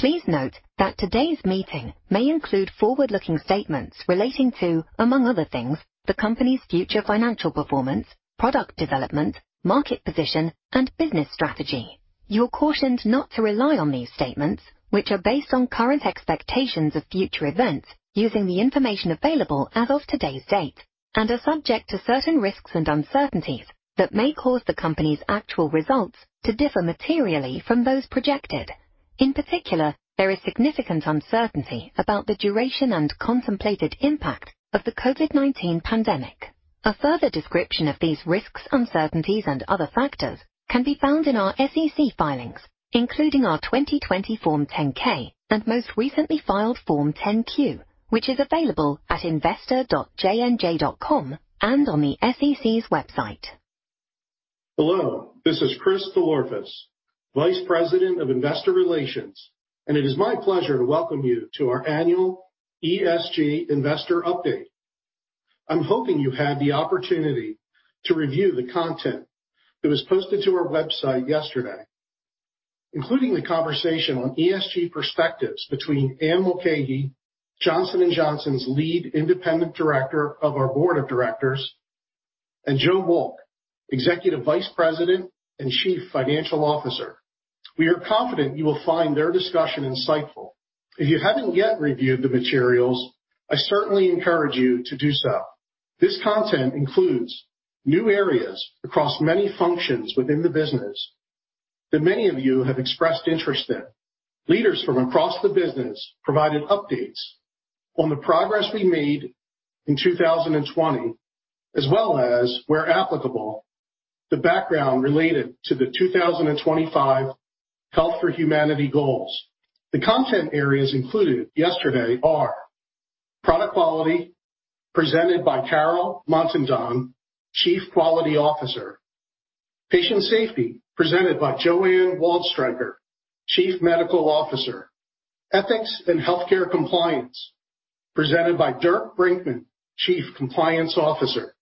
Please note that today's meeting may include forward-looking statements relating to, among other things, the company's future financial performance, product development, market position, and business strategy. You're cautioned not to rely on these statements, which are based on current expectations of future events using the information available as of today's date, and are subject to certain risks and uncertainties that may cause the company's actual results to differ materially from those projected. In particular, there is significant uncertainty about the duration and contemplated impact of the COVID-19 pandemic. A further description of these risks, uncertainties, and other factors can be found in our SEC filings, including our 2020 Form 10-K and most recently filed Form 10-Q, which is available at investor.jnj.com and on the SEC's website. Hello, this is Chris DelOrefice, Vice President of Investor Relations. It is my pleasure to welcome you to our annual ESG Investor Update. I'm hoping you've had the opportunity to review the content that was posted to our website yesterday, including the conversation on ESG perspectives between Anne Mulcahy, Johnson & Johnson's Lead Independent Director of our Board of Directors, and Joseph Wolk, Executive Vice President and Chief Financial Officer. We are confident you will find their discussion insightful. If you haven't yet reviewed the materials, I certainly encourage you to do so. This content includes new areas across many functions within the business that many of you have expressed interest in. Leaders from across the business provided updates on the progress we made in 2020, as well as, where applicable, the background related to the 2025 Health for Humanity goals. The content areas included yesterday are product quality, presented by Carol Montandon, Chief Quality Officer. Patient safety, presented by Joanne Waldstreicher, Chief Medical Officer. Ethics and healthcare compliance, presented by Dirk Brinckman, Chief Compliance Officer.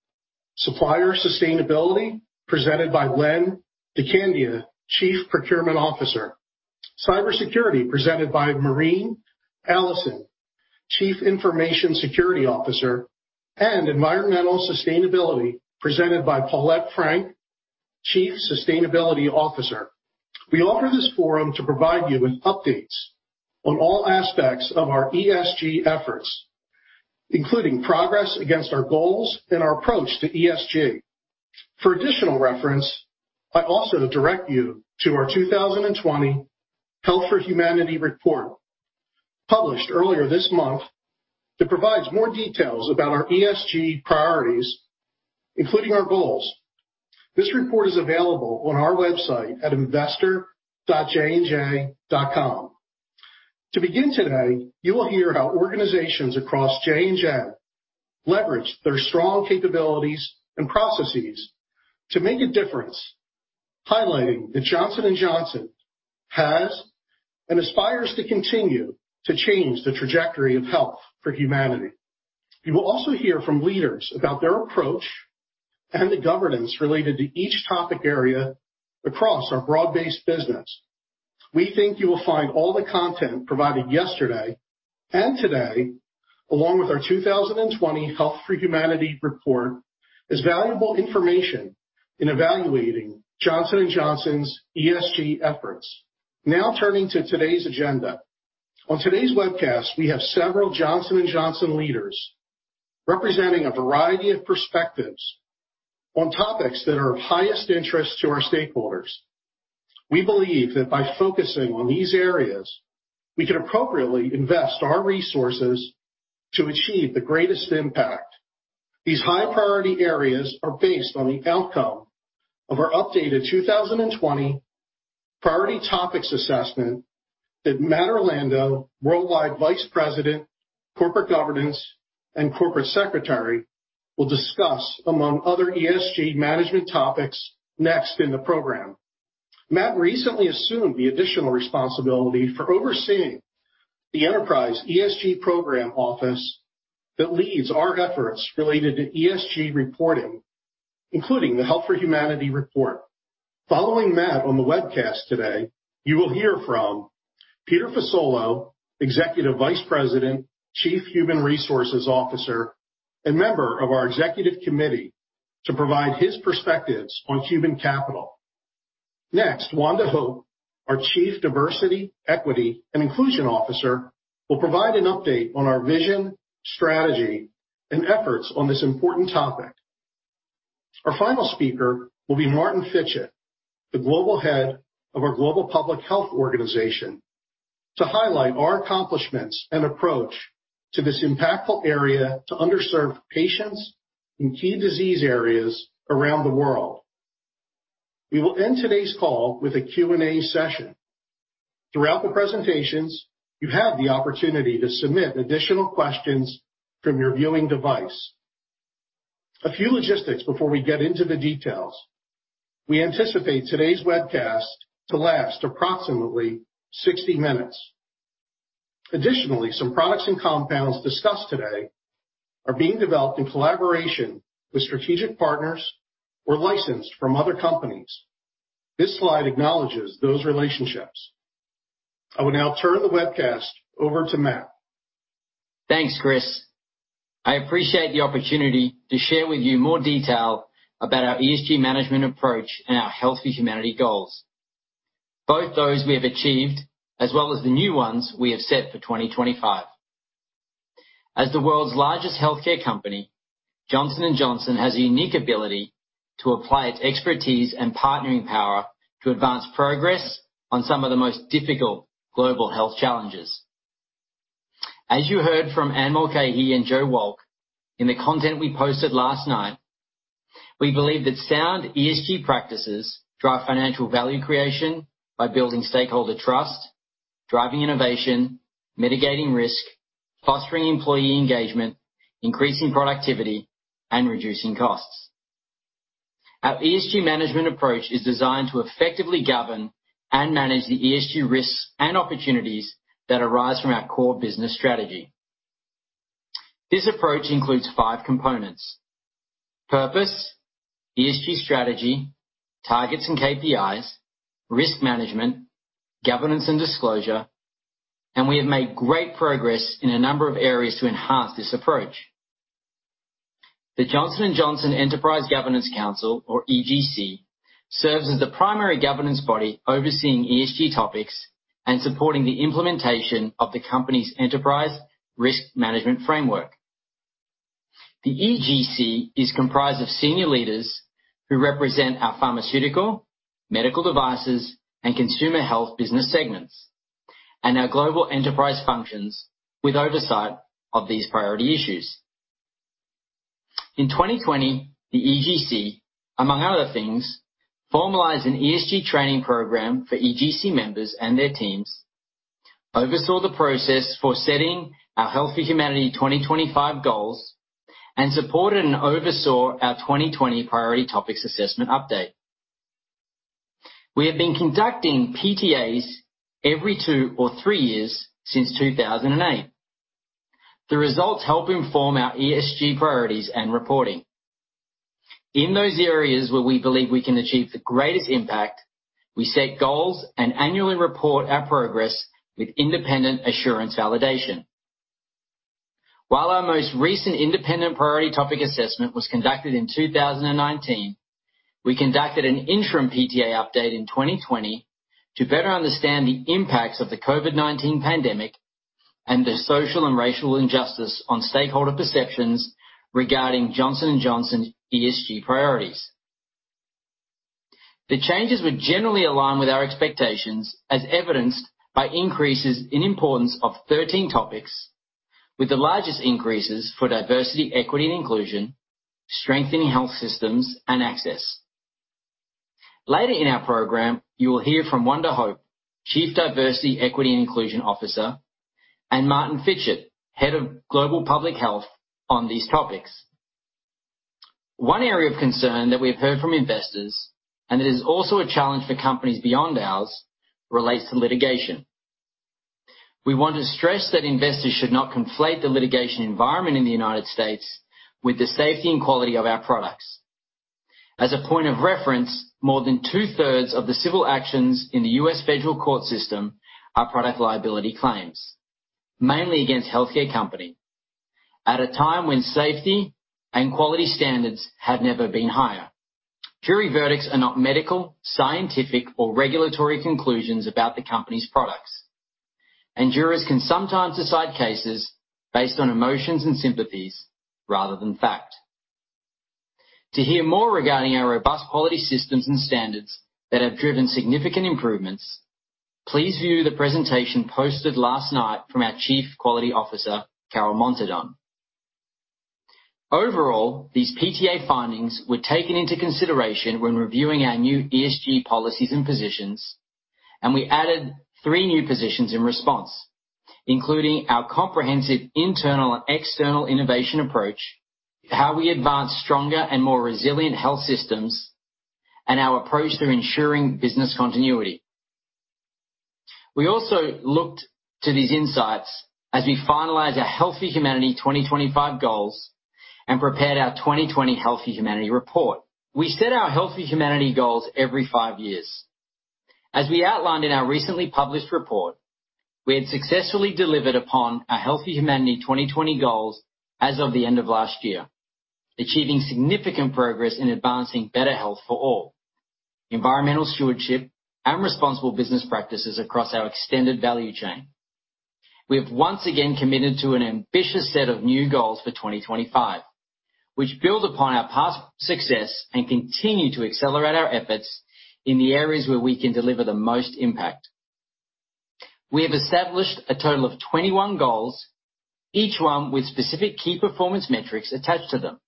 Supplier sustainability, presented by Len DeCandia, Chief Procurement Officer. Cybersecurity, presented by Marene Allison, Chief Information Security Officer, and environmental sustainability, presented by Paulette Frank, Chief Sustainability Officer. We offer this forum to provide you with updates on all aspects of our ESG efforts, including progress against our goals and our approach to ESG. For additional reference, I also direct you to our 2020 Health for Humanity report, published earlier this month. It provides more details about our ESG priorities, including our goals. This report is available on our website at investor.jnj.com. To begin today, you will hear how organizations across J&J leverage their strong capabilities and processes to make a difference, highlighting that Johnson & Johnson has, and aspires to continue, to change the trajectory of Health for Humanity. You will also hear from leaders about their approach and the governance related to each topic area across our broad-based business. We think you will find all the content provided yesterday and today, along with our 2020 Health for Humanity report, as valuable information in evaluating Johnson & Johnson's ESG efforts. Turning to today's agenda. On today's webcast, we have several Johnson & Johnson leaders representing a variety of perspectives on topics that are of highest interest to our stakeholders. We believe that by focusing on these areas, we can appropriately invest our resources to achieve the greatest impact. These high-priority areas are based on the outcome of our updated 2020 priority topics assessment that Matthew Orlando, Worldwide Vice President, Corporate Governance and Corporate Secretary, will discuss among other ESG management topics next in the program. Matt recently assumed the additional responsibility for overseeing the enterprise ESG program office that leads our efforts related to ESG reporting, including the Health for Humanity report. Following Matt on the webcast today, you will hear from Peter Fasolo, Executive Vice President, Chief Human Resources Officer, and member of our executive committee, to provide his perspectives on human capital. Wanda Hope, our Chief Diversity, Equity, and Inclusion Officer, will provide an update on our vision, strategy, and efforts on this important topic. Our final speaker will be Martin Fitchet, the Global Head of our Global Public Health organization, to highlight our accomplishments and approach to this impactful area to underserved patients in key disease areas around the world. We will end today's call with a Q&A session. Throughout the presentations, you have the opportunity to submit additional questions from your viewing device. A few logistics before we get into the details. We anticipate today's webcast to last approximately 60 minutes. Additionally, some products and compounds discussed today are being developed in collaboration with strategic partners or licensed from other companies. This slide acknowledges those relationships. I will now turn the webcast over to Matt. Thanks, Chris. I appreciate the opportunity to share with you more detail about our ESG management approach and our Health for Humanity goals, both those we have achieved as well as the new ones we have set for 2025. As the world's largest healthcare company, Johnson & Johnson has a unique ability to apply its expertise and partnering power to advance progress on some of the most difficult global health challenges. As you heard from Anne Mulcahy and Joe Wolk in the content we posted last night, we believe that sound ESG practices drive financial value creation by building stakeholder trust, driving innovation, mitigating risk, fostering employee engagement, increasing productivity, and reducing costs. Our ESG management approach is designed to effectively govern and manage the ESG risks and opportunities that arise from our core business strategy. This approach includes five components: purpose, ESG strategy, targets and KPIs, risk management, governance and disclosure. We have made great progress in a number of areas to enhance this approach. The Johnson & Johnson Enterprise Governance Council, or EGC, serves as the primary governance body overseeing ESG topics and supporting the implementation of the company's enterprise risk management framework. The EGC is comprised of senior leaders who represent our pharmaceutical, medical devices, and consumer health business segments, and our global enterprise functions with oversight of these priority issues. In 2020, the EGC, among other things, formalized an ESG training program for EGC members and their teams, oversaw the process for setting our Health for Humanity 2025 goals, and supported and oversaw our 2020 priority topics assessment update. We have been conducting PTAs every two or three years since 2008. The results help inform our ESG priorities and reporting. In those areas where we believe we can achieve the greatest impact, we set goals and annually report our progress with independent assurance validation. While our most recent independent priority topic assessment was conducted in 2019, we conducted an interim PTA update in 2020 to better understand the impacts of the COVID-19 pandemic and the social and racial injustice on stakeholder perceptions regarding Johnson & Johnson's ESG priorities. The changes would generally align with our expectations, as evidenced by increases in importance of 13 topics, with the largest increases for diversity, equity, and inclusion, strengthening health systems, and access. Later in our program, you will hear from Wanda Hope, Chief Diversity, Equity, and Inclusion Officer, and Martin Fitchet, head of Global Public Health, on these topics. One area of concern that we've heard from investors, and it is also a challenge for companies beyond ours, relates to litigation. We want to stress that investors should not conflate the litigation environment in the United States with the safety and quality of our products. As a point of reference, more than 2/3 of the civil actions in the U.S. Federal court system are product liability claims, mainly against healthcare companies, at a time when safety and quality standards have never been higher. Jury verdicts are not medical, scientific, or regulatory conclusions about the company's products, and jurors can sometimes decide cases based on emotions and sympathies rather than fact. To hear more regarding our robust quality systems and standards that have driven significant improvements, please view the presentation posted last night from our Chief Quality Officer, Carol Montandon. Overall, these PTA findings were taken into consideration when reviewing our new ESG policies and positions, and we added three new positions in response, including our comprehensive internal and external innovation approach, how we advance stronger and more resilient health systems, and our approach to ensuring business continuity. We also looked to these insights as we finalized our Health for Humanity 2025 goals and prepared our 2020 Health for Humanity report. We set our Health for Humanity goals every five years. As we outlined in our recently published report, we had successfully delivered upon our Health for Humanity 2020 goals as of the end of last year, achieving significant progress in advancing better health for all, environmental stewardship, and responsible business practices across our extended value chain. We have once again committed to an ambitious set of new goals for 2025, which build upon our past success and continue to accelerate our efforts in the areas where we can deliver the most impact. We have established a total of 21 goals, each one with specific key performance metrics attached to them.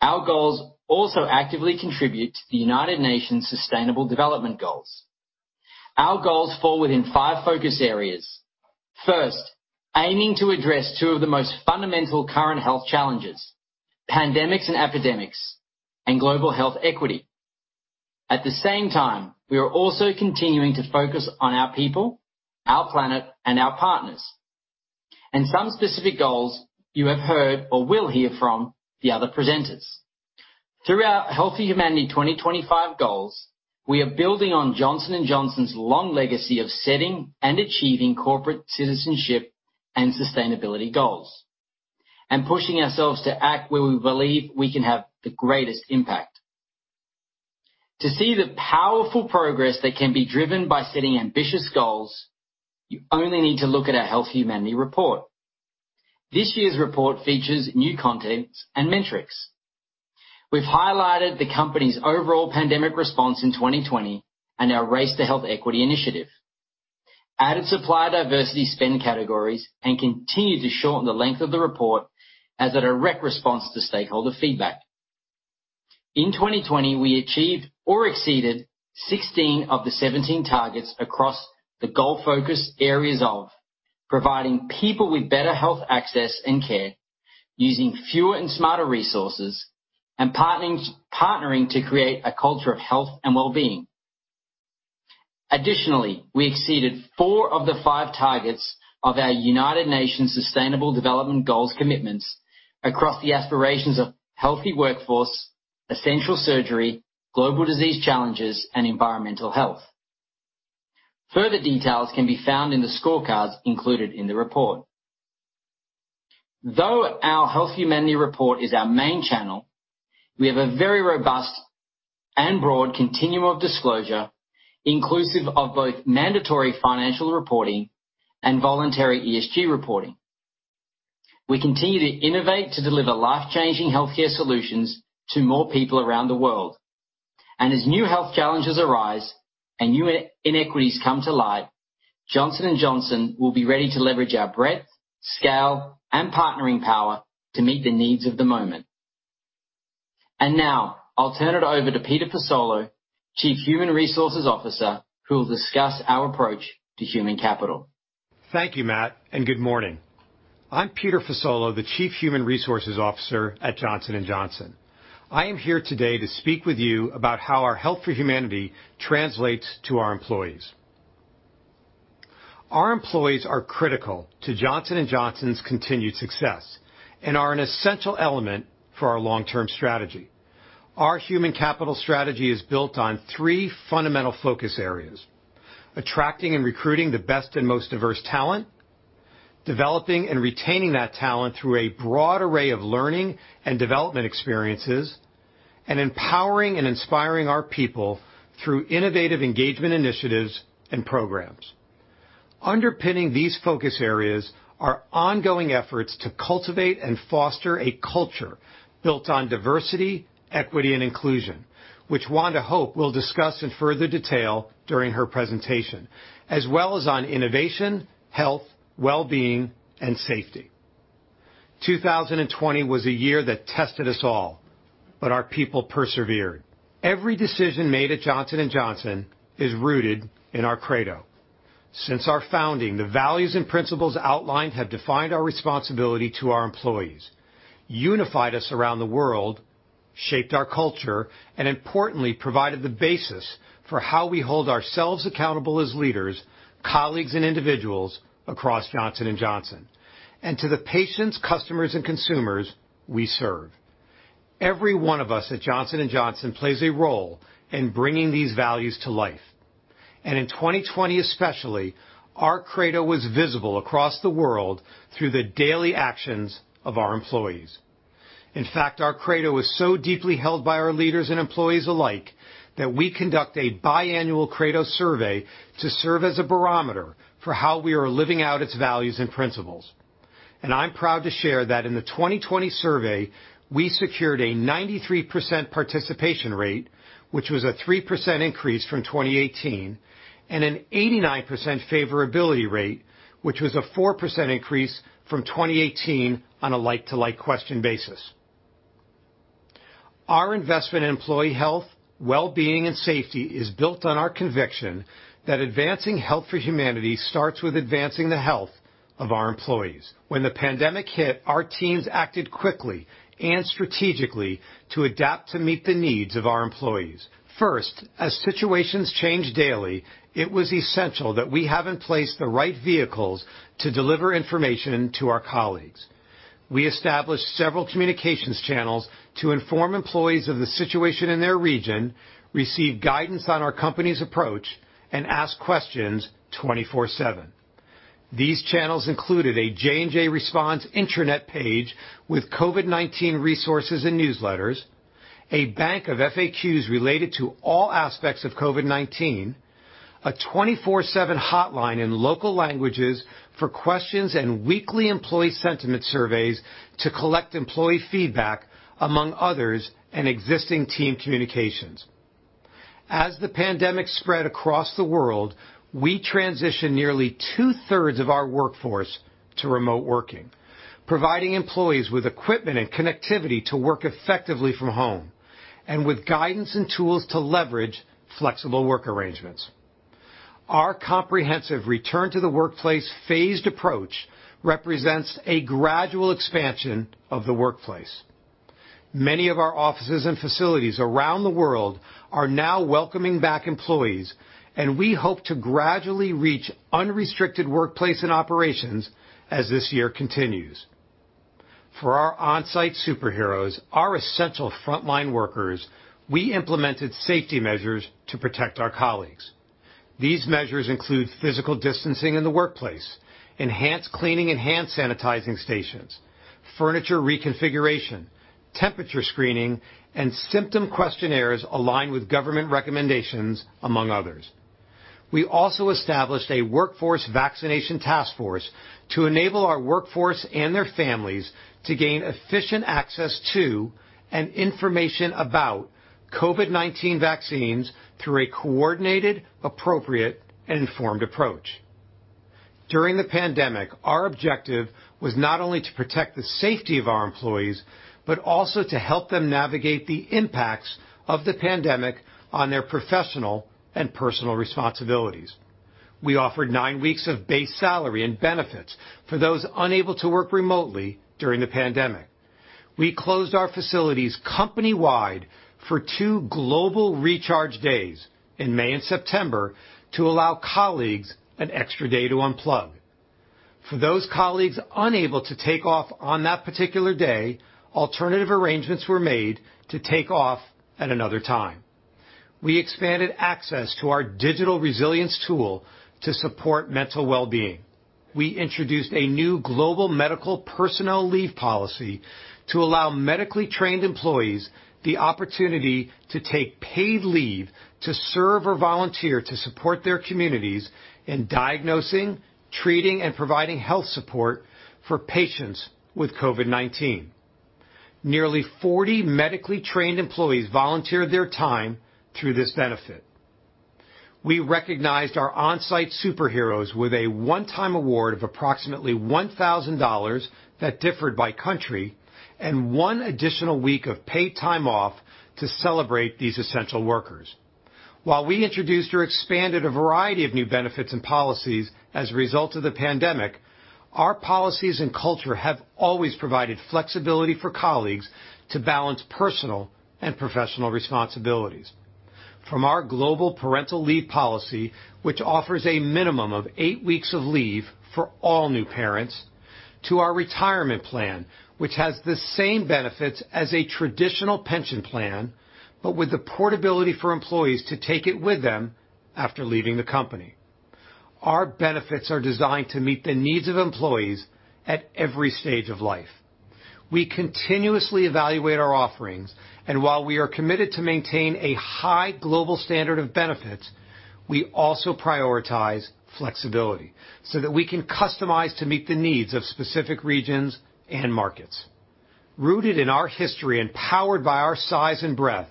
Our goals also actively contribute to the United Nations Sustainable Development Goals. Our goals fall within five focus areas. First, aiming to address two of the most fundamental current health challenges, pandemics and epidemics, and global health equity. At the same time, we are also continuing to focus on our people, our planet, and our partners, and some specific goals you have heard or will hear from the other presenters. Through our Health for Humanity 2025 goals, we are building on Johnson & Johnson's long legacy of setting and achieving corporate citizenship and sustainability goals and pushing ourselves to act where we believe we can have the greatest impact. To see the powerful progress that can be driven by setting ambitious goals, you only need to look at our Health for Humanity report. This year's report features new content and metrics. We've highlighted the company's overall pandemic response in 2020 and our Our Race to Health Equity initiative, added supplier diversity spend categories, and continued to shorten the length of the report as a direct response to stakeholder feedback. In 2020, we achieved or exceeded 16 of the 17 targets across the goal focus areas of providing people with better health access and care using fewer and smarter resources, and partnering to create a culture of health and wellbeing. Additionally, we exceeded four of the five targets of our United Nations Sustainable Development Goals commitments across the aspirations of healthy workforce, essential surgery, global disease challenges, and environmental health. Further details can be found in the scorecards included in the report. Though our Health for Humanity report is our main channel, we have a very robust and broad continuum of disclosure, inclusive of both mandatory financial reporting and voluntary ESG reporting. We continue to innovate to deliver life-changing healthcare solutions to more people around the world. As new health challenges arise and new inequities come to light, Johnson & Johnson will be ready to leverage our breadth, scale, and partnering power to meet the needs of the moment. Now I'll turn it over to Peter Fasolo, Chief Human Resources Officer, who will discuss our approach to human capital. Thank you, Matt. Good morning. I'm Peter Fasolo, the Chief Human Resources Officer at Johnson & Johnson. I am here today to speak with you about how our Health for Humanity translates to our employees. Our employees are critical to Johnson & Johnson's continued success and are an essential element for our long-term strategy. Our human capital strategy is built on three fundamental focus areas: attracting and recruiting the best and most diverse talent, developing and retaining that talent through a broad array of learning and development experiences, and empowering and inspiring our people through innovative engagement initiatives and programs. Underpinning these focus areas are ongoing efforts to cultivate and foster a culture built on diversity, equity, and inclusion, which Wanda Hope will discuss in further detail during her presentation, as well as on innovation, health, wellbeing, and safety. 2020 was a year that tested us all, but our people persevered. Every decision made at Johnson & Johnson is rooted in our Credo. Since our founding, the values and principles outlined have defined our responsibility to our employees, unified us around the world, shaped our culture, and importantly, provided the basis for how we hold ourselves accountable as leaders, colleagues, and individuals across Johnson & Johnson and to the patients, customers, and consumers we serve. Every one of us at Johnson & Johnson plays a role in bringing these values to life. In 2020 especially, our Credo was visible across the world through the daily actions of our employees. In fact, our Credo is so deeply held by our leaders and employees alike that we conduct a biannual Credo survey to serve as a barometer for how we are living out its values and principles. I'm proud to share that in the 2020 survey, we secured a 93% participation rate, which was a 3% increase from 2018, and an 89% favorability rate, which was a 4% increase from 2018 on a like-to-like question basis. Our investment in employee health, wellbeing, and safety is built on our conviction that advancing Health for Humanity starts with advancing the health of our employees. When the pandemic hit, our teams acted quickly and strategically to adapt to meet the needs of our employees. First, as situations changed daily, it was essential that we have in place the right vehicles to deliver information to our colleagues. We established several communications channels to inform employees of the situation in their region, receive guidance on our company's approach, and ask questions 24/7. These channels included a J&J Response intranet page with COVID-19 resources and newsletters, a bank of FAQs related to all aspects of COVID-19, a 24/7 hotline in local languages for questions, and weekly employee sentiment surveys to collect employee feedback, among others, and existing team communications. As the pandemic spread across the world, we transitioned nearly 2/3 of our workforce to remote working, providing employees with equipment and connectivity to work effectively from home and with guidance and tools to leverage flexible work arrangements. Our comprehensive return to the workplace phased approach represents a gradual expansion of the workplace. Many of our offices and facilities around the world are now welcoming back employees. We hope to gradually reach unrestricted workplace and operations as this year continues. For our on-site superheroes, our essential frontline workers, we implemented safety measures to protect our colleagues. These measures include physical distancing in the workplace, enhanced cleaning and hand sanitizing stations, furniture reconfiguration, temperature screening, and symptom questionnaires aligned with government recommendations, among others. We also established a workforce vaccination task force to enable our workforce and their families to gain efficient access to and information about COVID-19 vaccines through a coordinated, appropriate, and informed approach. During the pandemic, our objective was not only to protect the safety of our employees, but also to help them navigate the impacts of the pandemic on their professional and personal responsibilities. We offered nine weeks of base salary and benefits for those unable to work remotely during the pandemic. We closed our facilities company-wide for two global recharge days in May and September to allow colleagues an extra day to unplug. For those colleagues unable to take off on that particular day, alternative arrangements were made to take off at another time. We expanded access to our digital resilience tool to support mental wellbeing. We introduced a new global medical personnel leave policy to allow medically trained employees the opportunity to take paid leave to serve or volunteer to support their communities in diagnosing, treating, and providing health support for patients with COVID-19. Nearly 40 medically trained employees volunteered their time through this benefit. We recognized our on-site superheroes with a one-time award of approximately $1,000 that differed by country and one additional week of paid time off to celebrate these essential workers. While we introduced or expanded a variety of new benefits and policies as a result of the pandemic, our policies and culture have always provided flexibility for colleagues to balance personal and professional responsibilities. From our global parental leave policy, which offers a minimum of eight weeks of leave for all new parents, to our retirement plan, which has the same benefits as a traditional pension plan, but with the portability for employees to take it with them after leaving the company. Our benefits are designed to meet the needs of employees at every stage of life. We continuously evaluate our offerings, and while we are committed to maintain a high global standard of benefits, we also prioritize flexibility so that we can customize to meet the needs of specific regions and markets. Rooted in our history and powered by our size and breadth,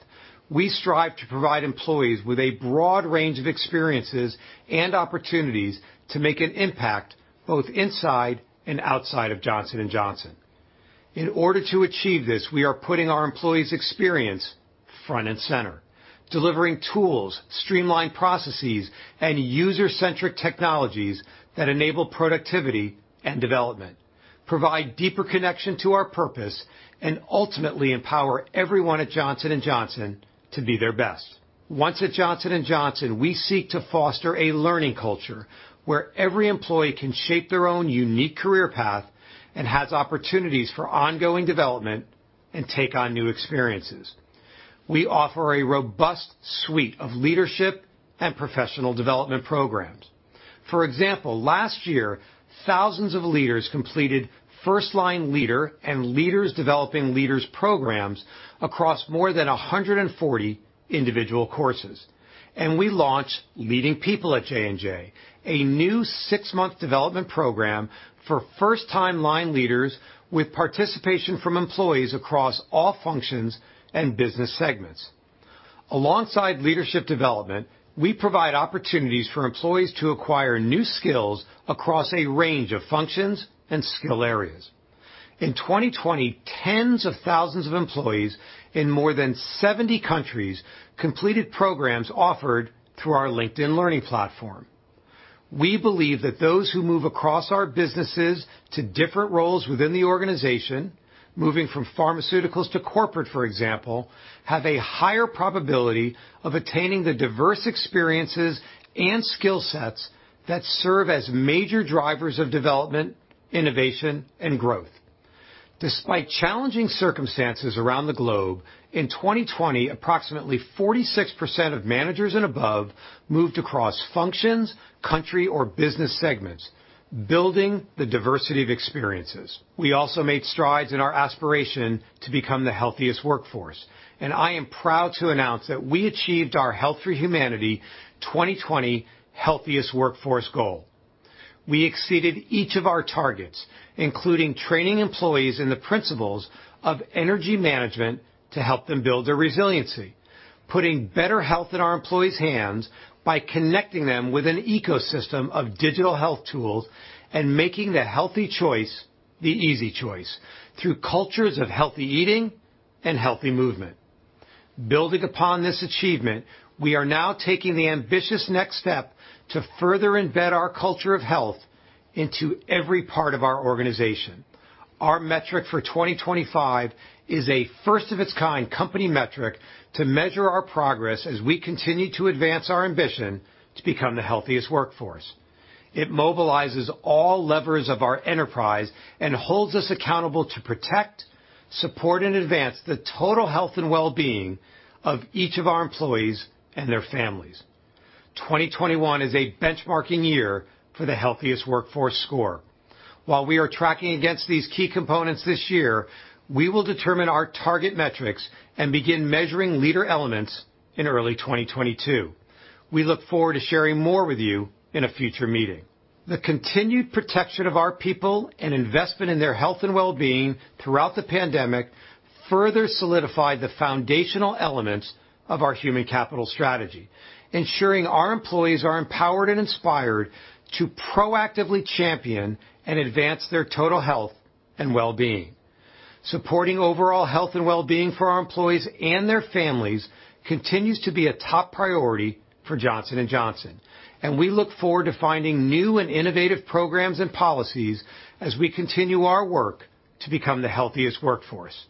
we strive to provide employees with a broad range of experiences and opportunities to make an impact both inside and outside of Johnson & Johnson. In order to achieve this, we are putting our employees' experience front and center, delivering tools, streamlined processes, and user-centric technologies that enable productivity and development, provide deeper connection to our purpose, and ultimately empower everyone at Johnson & Johnson to be their best. Once at Johnson & Johnson, we seek to foster a learning culture where every employee can shape their own unique career path and has opportunities for ongoing development and take on new experiences. We offer a robust suite of leadership and professional development programs. For example, last year, thousands of leaders completed first-line leader and leaders developing leaders programs across more than 140 individual courses. We launched Leading People at J&J, a new six-month development program for first-time line leaders with participation from employees across all functions and business segments. Alongside leadership development, we provide opportunities for employees to acquire new skills across a range of functions and skill areas. In 2020, 10s of thousands of employees in more than 70 countries completed programs offered through our LinkedIn Learning platform. We believe that those who move across our businesses to different roles within the organization, moving from pharmaceuticals to corporate, for example, have a higher probability of attaining the diverse experiences and skill sets that serve as major drivers of development, innovation, and growth. Despite challenging circumstances around the globe. In 2020, approximately 46% of managers and above moved across functions, country, or business segments, building the diversity of experiences. We also made strides in our aspiration to become the healthiest workforce, and I am proud to announce that we achieved our Health for Humanity 2020 Healthiest Workforce goal. We exceeded each of our targets, including training employees in the principles of energy management to help them build their resiliency, putting better health in our employees' hands by connecting them with an ecosystem of digital health tools, and making the healthy choice the easy choice through cultures of healthy eating and healthy movement. Building upon this achievement, we are now taking the ambitious next step to further embed our culture of health into every part of our organization. Our metric for 2025 is a first of its kind company metric to measure our progress as we continue to advance our ambition to become the healthiest workforce. It mobilizes all levers of our enterprise and holds us accountable to protect, support, and advance the total health and wellbeing of each of our employees and their families. 2021 is a benchmarking year for the Healthiest Workforce score. While we are tracking against these key components this year, we will determine our target metrics and begin measuring leader elements in early 2022. We look forward to sharing more with you in a future meeting. The continued protection of our people and investment in their health and wellbeing throughout the pandemic further solidified the foundational elements of our human capital strategy, ensuring our employees are empowered and inspired to proactively champion and advance their total health and wellbeing. Supporting overall health and wellbeing for our employees and their families continues to be a top priority for Johnson & Johnson, we look forward to finding new and innovative programs and policies as we continue our work to become the healthiest workforce.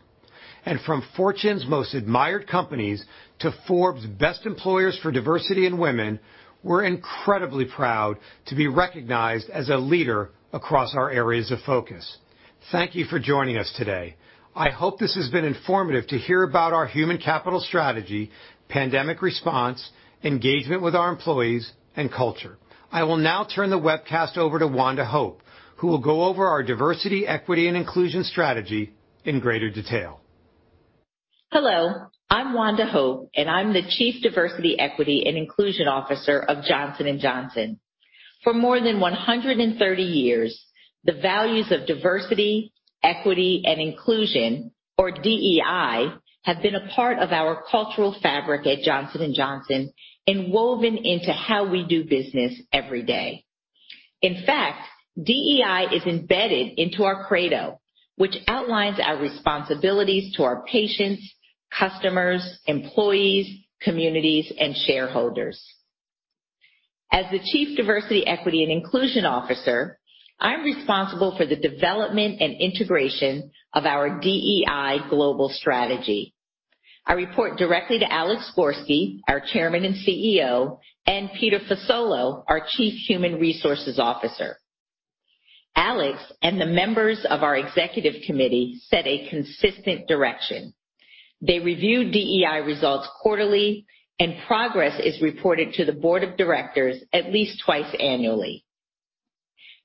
From Fortune's Most Admired Companies to Forbes Best Employers for Diversity and Women, we're incredibly proud to be recognized as a leader across our areas of focus. Thank you for joining us today. I hope this has been informative to hear about our human capital strategy, pandemic response, engagement with our employees, and culture. I will now turn the webcast over to Wanda Hope, who will go over our diversity, equity, and inclusion strategy in greater detail. Hello, I'm Wanda Hope, I'm the Chief Diversity, Equity, and Inclusion Officer of Johnson & Johnson. For more than 130 years, the values of diversity, equity, and inclusion, or DEI, have been a part of our cultural fabric at Johnson & Johnson woven into how we do business every day. In fact, DEI is embedded into our credo, which outlines our responsibilities to our patients, customers, employees, communities, and shareholders. As the Chief Diversity, Equity, and Inclusion Officer, I'm responsible for the development and integration of our DEI global strategy. I report directly to Alex Gorsky, our Chairman and CEO, Peter Fasolo, our Chief Human Resources Officer. Alex and the members of our executive committee set a consistent direction. They review DEI results quarterly, progress is reported to the board of directors at least twice annually.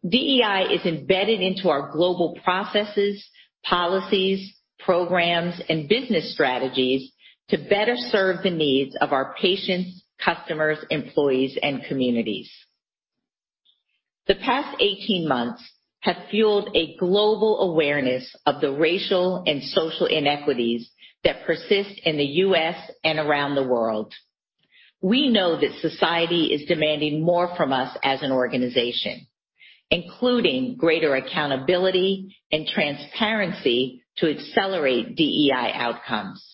DEI is embedded into our global processes, policies, programs, and business strategies to better serve the needs of our patients, customers, employees, and communities. The past 18 months have fueled a global awareness of the racial and social inequities that persist in the U.S. and around the world. We know that society is demanding more from us as an organization, including greater accountability and transparency to accelerate DEI outcomes.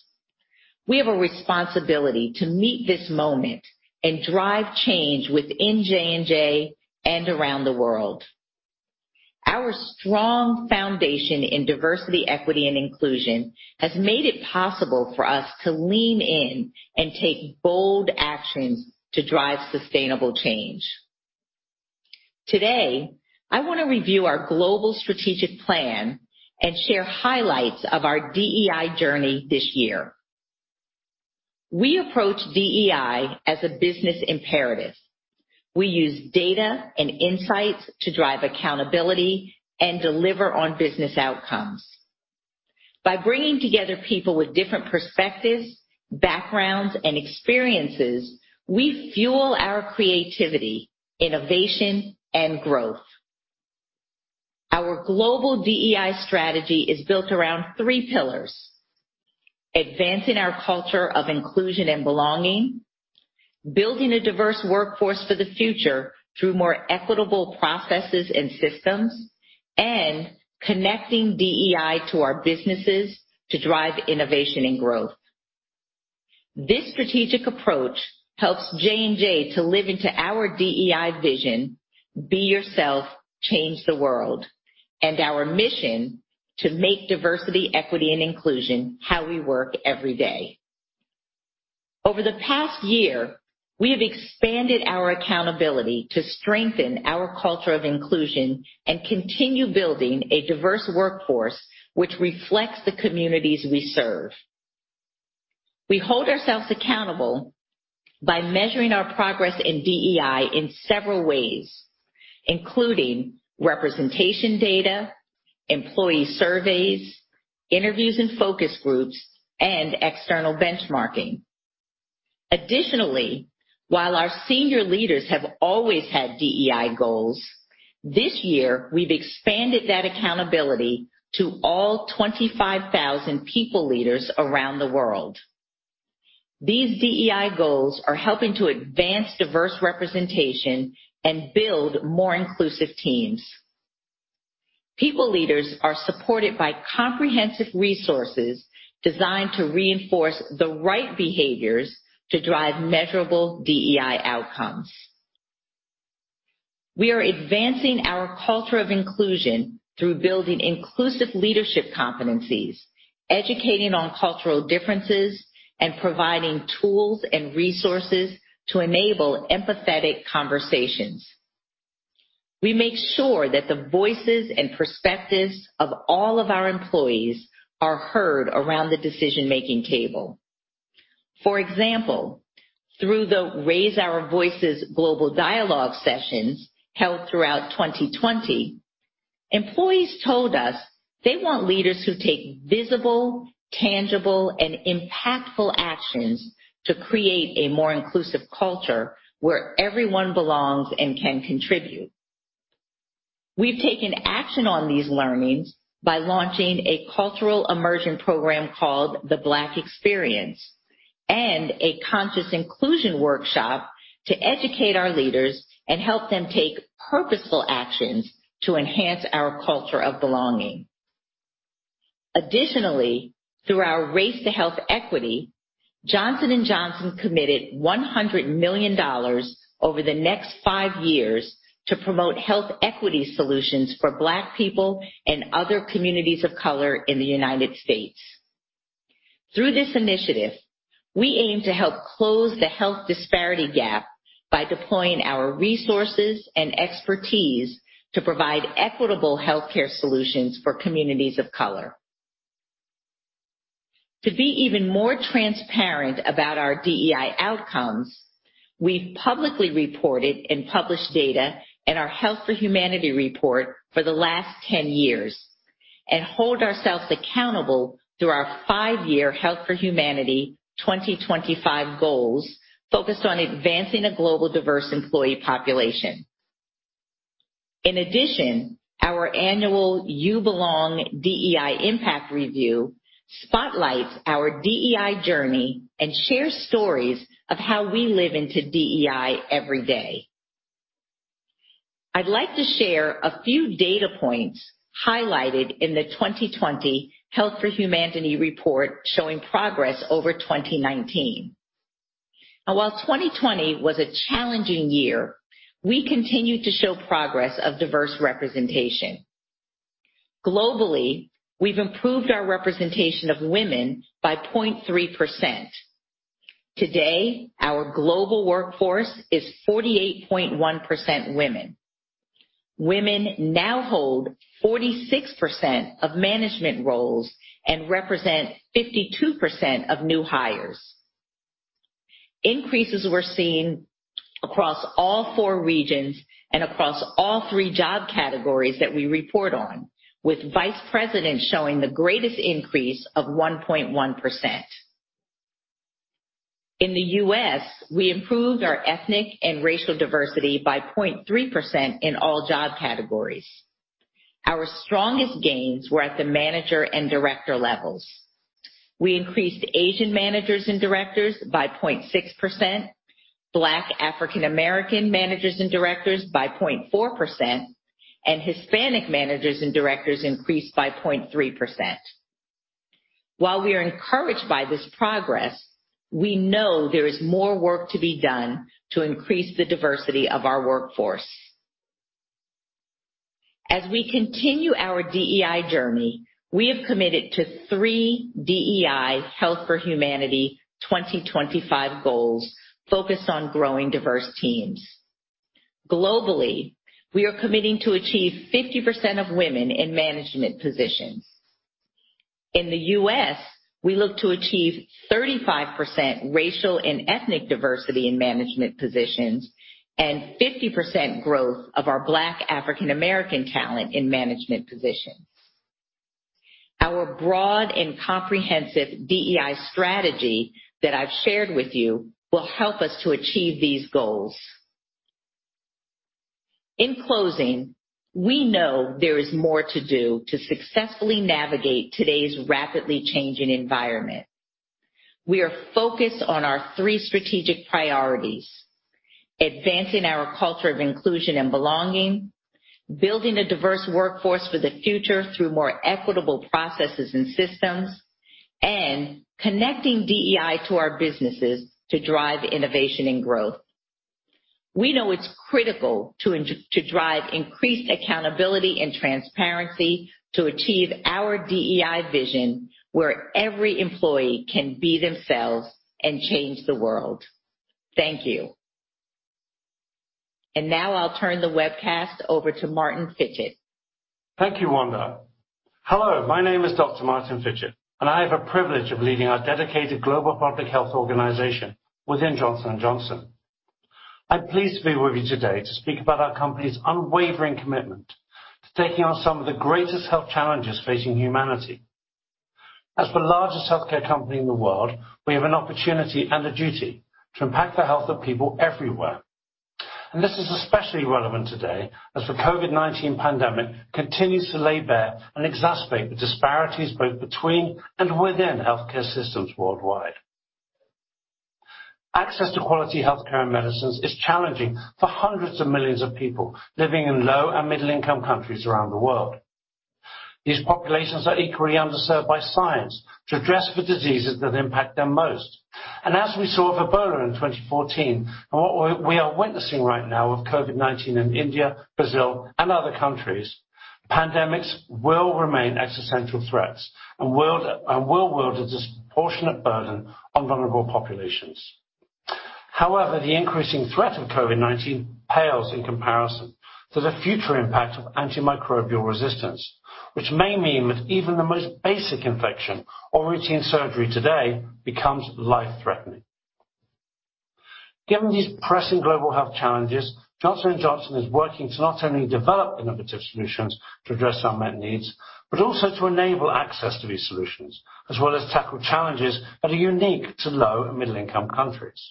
We have a responsibility to meet this moment and drive change within J&J and around the world. Our strong foundation in diversity, equity, and inclusion has made it possible for us to lean in and take bold actions to drive sustainable change. Today, I want to review our global strategic plan and share highlights of our DEI journey this year. We approach DEI as a business imperative. We use data and insights to drive accountability and deliver on business outcomes. By bringing together people with different perspectives, backgrounds, and experiences, we fuel our creativity, innovation, and growth. Our global DEI strategy is built around three pillars: advancing our culture of inclusion and belonging, building a diverse workforce for the future through more equitable processes and systems, and connecting DEI to our businesses to drive innovation and growth. This strategic approach helps J&J to live into our DEI vision, "Be yourself. Change the world," and our mission to make diversity, equity, and inclusion how we work every day. Over the past year, we have expanded our accountability to strengthen our culture of inclusion and continue building a diverse workforce which reflects the communities we serve. We hold ourselves accountable by measuring our progress in DEI in several ways, including representation data, employee surveys, interviews and focus groups, and external benchmarking. Additionally, while our senior leaders have always had DEI goals, this year we've expanded that accountability to all 25,000 people leaders around the world. These DEI goals are helping to advance diverse representation and build more inclusive teams. People leaders are supported by comprehensive resources designed to reinforce the right behaviors to drive measurable DEI outcomes. We are advancing our culture of inclusion through building inclusive leadership competencies, educating on cultural differences, and providing tools and resources to enable empathetic conversations. We make sure that the voices and perspectives of all of our employees are heard around the decision-making table. For example, through the Raise Our Voices global dialogue sessions held throughout 2020, employees told us they want leaders who take visible, tangible, and impactful actions to create a more inclusive culture where everyone belongs and can contribute. We've taken action on these learnings by launching a cultural immersion program called The Black Experience, and a conscious inclusion workshop to educate our leaders and help them take purposeful actions to enhance our culture of belonging. Additionally, through Our Race to Health Equity, Johnson & Johnson committed $100 million over the next five years to promote health equity solutions for Black people and other communities of color in the United States. Through this initiative, we aim to help close the health disparity gap by deploying our resources and expertise to provide equitable healthcare solutions for communities of color. To be even more transparent about our DEI outcomes, we've publicly reported and published data in our Health for Humanity report for the last 10 years, and hold ourselves accountable through our five-year Health for Humanity 2025 goals, focused on advancing a global diverse employee population. In addition, our annual You Belong: DEI Impact Review spotlights our DEI journey and shares stories of how we live into DEI every day. I'd like to share a few data points highlighted in the 2020 Health for Humanity report, showing progress over 2019. While 2020 was a challenging year, we continued to show progress of diverse representation. Globally, we've improved our representation of women by 0.3%. Today, our global workforce is 48.1% women. Women now hold 46% of management roles and represent 52% of new hires. Increases were seen across all four regions and across all three job categories that we report on, with vice president showing the greatest increase of 1.1%. In the U.S., we improved our ethnic and racial diversity by 0.3% in all job categories. Our strongest gains were at the manager and director levels. We increased Asian managers and directors by 0.6%, Black African American managers and directors by 0.4%, and Hispanic managers and directors increased by 0.3%. While we are encouraged by this progress, we know there is more work to be done to increase the diversity of our workforce. As we continue our DEI journey, we have committed to three DEI Health for Humanity 2025 goals focused on growing diverse teams. Globally, we are committing to achieve 50% of women in management positions. In the U.S., we look to achieve 35% racial and ethnic diversity in management positions, and 50% growth of our Black African American talent in management positions. Our broad and comprehensive DEI strategy that I've shared with you will help us to achieve these goals. In closing, we know there is more to do to successfully navigate today's rapidly changing environment. We are focused on our three strategic priorities, advancing our culture of inclusion and belonging, building a diverse workforce for the future through more equitable processes and systems, and connecting DEI to our businesses to drive innovation and growth. We know it's critical to drive increased accountability and transparency to achieve our DEI vision, where every employee can be themselves and change the world. Thank you. Now I'll turn the webcast over to Martin Fitchet. Thank you, Wanda. Hello, my name is Dr. Martin Fitchet, I have a privilege of leading our dedicated global public health organization within Johnson & Johnson. I'm pleased to be with you today to speak about our company's unwavering commitment to taking on some of the greatest health challenges facing humanity. As the largest healthcare company in the world, we have an opportunity and a duty to impact the health of people everywhere. This is especially relevant today as the COVID-19 pandemic continues to lay bare and exacerbate the disparities both between and within healthcare systems worldwide. Access to quality healthcare and medicines is challenging for hundreds of millions of people living in low- and middle-income countries around the world. These populations are equally underserved by science to address the diseases that impact them most. As we saw with Ebola in 2014, and what we are witnessing right now with COVID-19 in India, Brazil, and other countries, pandemics will remain existential threats and will wield a disproportionate burden on vulnerable populations. However, the increasing threat of COVID-19 pales in comparison to the future impact of antimicrobial resistance, which may mean that even the most basic infection or routine surgery today becomes life-threatening. Given these pressing global health challenges, Johnson & Johnson is working to not only develop innovative solutions to address unmet needs, but also to enable access to these solutions, as well as tackle challenges that are unique to Low- and Middle-Income Countries.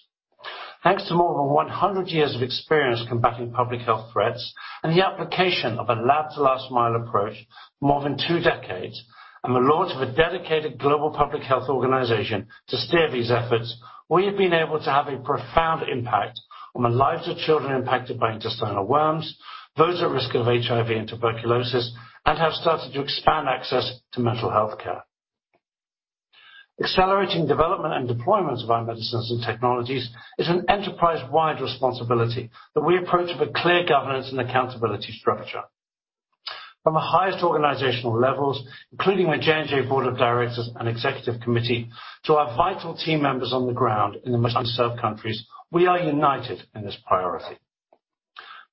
Thanks to more than 100 years of experience combating public health threats, and the application of a lab to last mile approach for more than two decades, and the launch of a dedicated Global Public Health organization to steer these efforts, we have been able to have a profound impact on the lives of children impacted by intestinal worms, those at risk of HIV and tuberculosis, and have started to expand access to mental health care. Accelerating development and deployment of our medicines and technologies is an enterprise-wide responsibility that we approach with clear governance and accountability structure. From the highest organizational levels, including the J&J Board of Directors and Executive Committee, to our vital team members on the ground in the most unserved countries, we are united in this priority.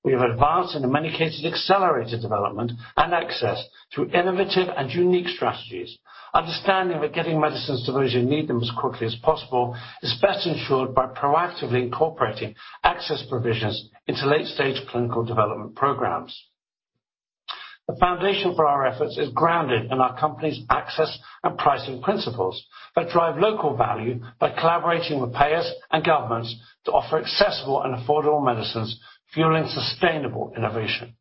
We have advanced, and in many cases, accelerated development and access through innovative and unique strategies, understanding that getting medicines to those who need them as quickly as possible is best ensured by proactively incorporating access provisions into late-stage clinical development programs. The foundation for our efforts is grounded in our company's access and pricing principles that drive local value by collaborating with payers and governments to offer accessible and affordable medicines, fueling sustainable innovation.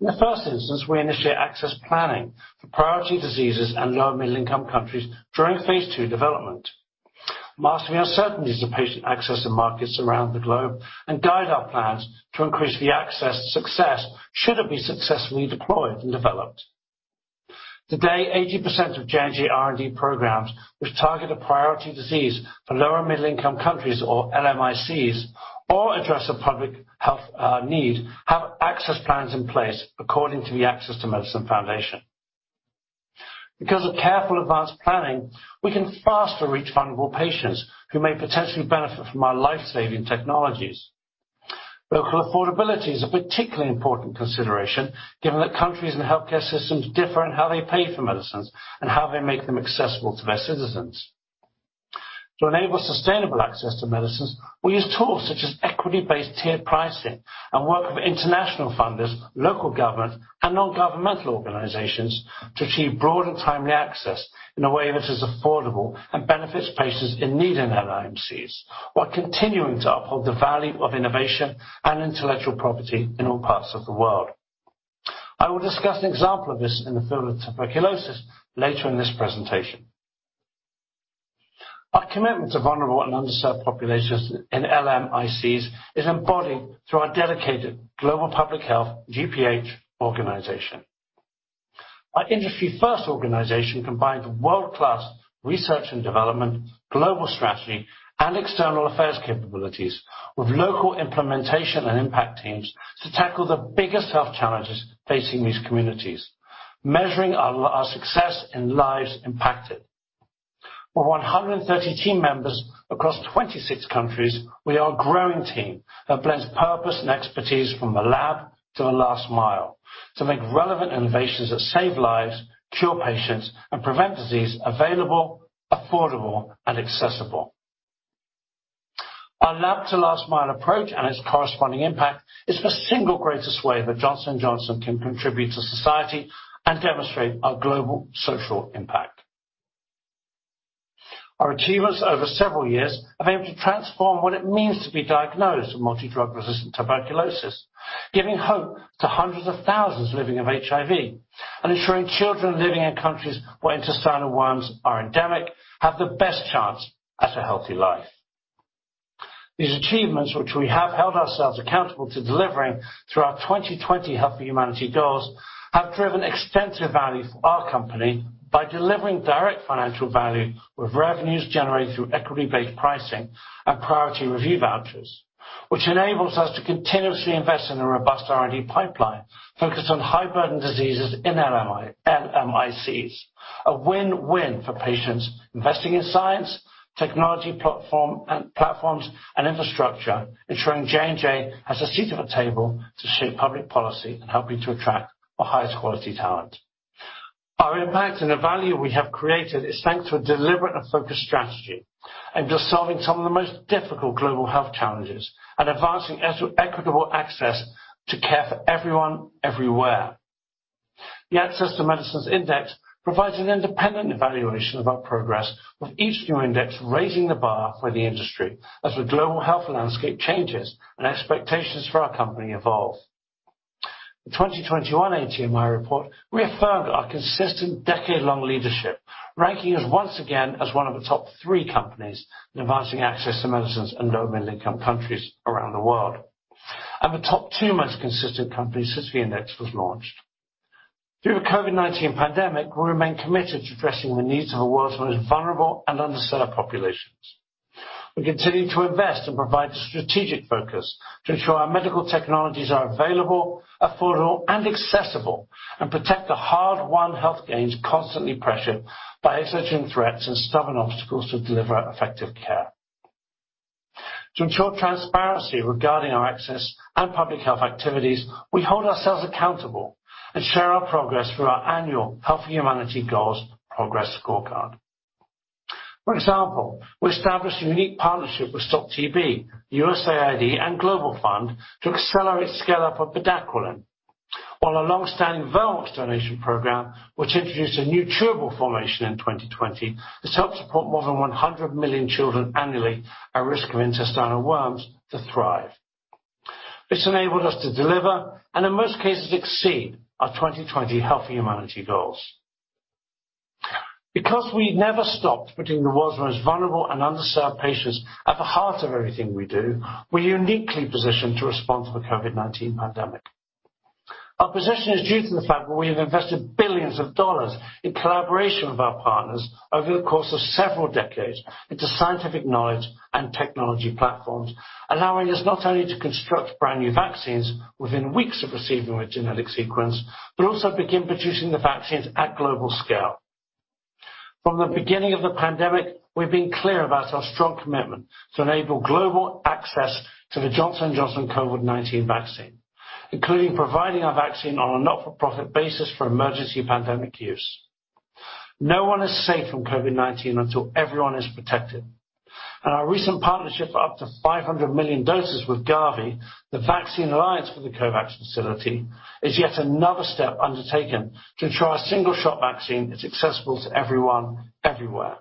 In the first instance, we initiate access planning for priority diseases in low- and middle-income countries during phase II development. Mastering uncertainties of patient access in markets around the globe and guide our plans to increase the access success should it be successfully deployed and developed. Today, 80% of J&J R&D programs which target a priority disease for low and middle-income countries, or LMICs, or address a public health need, have access plans in place according to the Access to Medicine Foundation. Because of careful advanced planning, we can faster reach vulnerable patients who may potentially benefit from our life-saving technologies. Local affordability is a particularly important consideration given that countries and healthcare systems differ in how they pay for medicines and how they make them accessible to their citizens. To enable sustainable access to medicines, we use tools such as equity-based tiered pricing and work with international funders, local government, and non-governmental organizations to achieve broad and timely access in a way which is affordable and benefits patients in need in LMICs, while continuing to uphold the value of innovation and intellectual property in all parts of the world. I will discuss an example of this in the field of tuberculosis later in this presentation. Our commitment to vulnerable and underserved populations in LMICs is embodied through our dedicated Global Public Health, GPH, organization. Our industry-first organization combines world-class research and development, global strategy, and external affairs capabilities with local implementation and impact teams to tackle the biggest health challenges facing these communities, measuring our success in lives impacted. With 130 team members across 26 countries, we are a growing team that blends purpose and expertise from the lab to the last mile to make relevant innovations that save lives, cure patients, and prevent disease available, affordable, and accessible. Our lab to last mile approach and its corresponding impact is the single greatest way that Johnson & Johnson can contribute to society and demonstrate our global social impact. Our achievements over several years have been able to transform what it means to be diagnosed with multi-drug resistant tuberculosis, giving hope to hundreds of thousands living with HIV, and ensuring children living in countries where intestinal worms are endemic have the best chance at a healthy life. These achievements, which we have held ourselves accountable to delivering through our 2020 Health for Humanity goals, have driven extensive value for our company by delivering direct financial value with revenues generated through equity-based pricing and priority review vouchers, which enables us to continuously invest in a robust R&D pipeline focused on high-burden diseases in LMICs. A win-win for patients, investing in science, technology platforms, and infrastructure, ensuring J&J has a seat at the table to shape public policy and helping to attract the highest quality talent. Our impact and the value we have created is thanks to a deliberate and focused strategy aimed at solving some of the most difficult global health challenges and advancing equitable access to care for everyone, everywhere. The Access to Medicine Index provides an independent evaluation of our progress, with each new index raising the bar for the industry as the global health landscape changes and expectations for our company evolve. The 2021 ATMI report reaffirmed our consistent decade-long leadership, ranking us once again as one of the top three companies in advancing access to medicines in low- and middle-income countries around the world, and the top two most consistent companies since the index was launched. Through the COVID-19 pandemic, we remain committed to addressing the needs of the world's most vulnerable and underserved populations. We continue to invest and provide a strategic focus to ensure our medical technologies are available, affordable, and accessible, and protect the hard-won health gains constantly pressured by exogenous threats and stubborn obstacles to deliver effective care. To ensure transparency regarding our access and public health activities, we hold ourselves accountable and share our progress through our annual Health for Humanity goals progress scorecard. For example, we established a unique partnership with Stop TB, USAID, and Global Fund to accelerate scale-up of bedaquiline, while our long-standing worms donation program, which introduced a new chewable formulation in 2020, has helped support more than 100 million children annually at risk of intestinal worms to thrive. This enabled us to deliver, and in most cases exceed, our 2020 Health for Humanity goals. We never stopped putting the world's most vulnerable and underserved patients at the heart of everything we do, we're uniquely positioned to respond to the COVID-19 pandemic. Our position is due to the fact that we have invested billions of dollars in collaboration with our partners over the course of several decades into scientific knowledge and technology platforms, allowing us not only to construct brand-new vaccines within weeks of receiving the genetic sequence, but also begin producing the vaccines at global scale. From the beginning of the pandemic, we've been clear about our strong commitment to enable global access to the Johnson & Johnson COVID-19 vaccine, including providing our vaccine on a not-for-profit basis for emergency pandemic use. No one is safe from COVID-19 until everyone is protected. Our recent partnership for up to 500 million doses with Gavi, the Vaccine Alliance for the COVAX facility, is yet another step undertaken to ensure our single-shot vaccine is accessible to everyone, everywhere.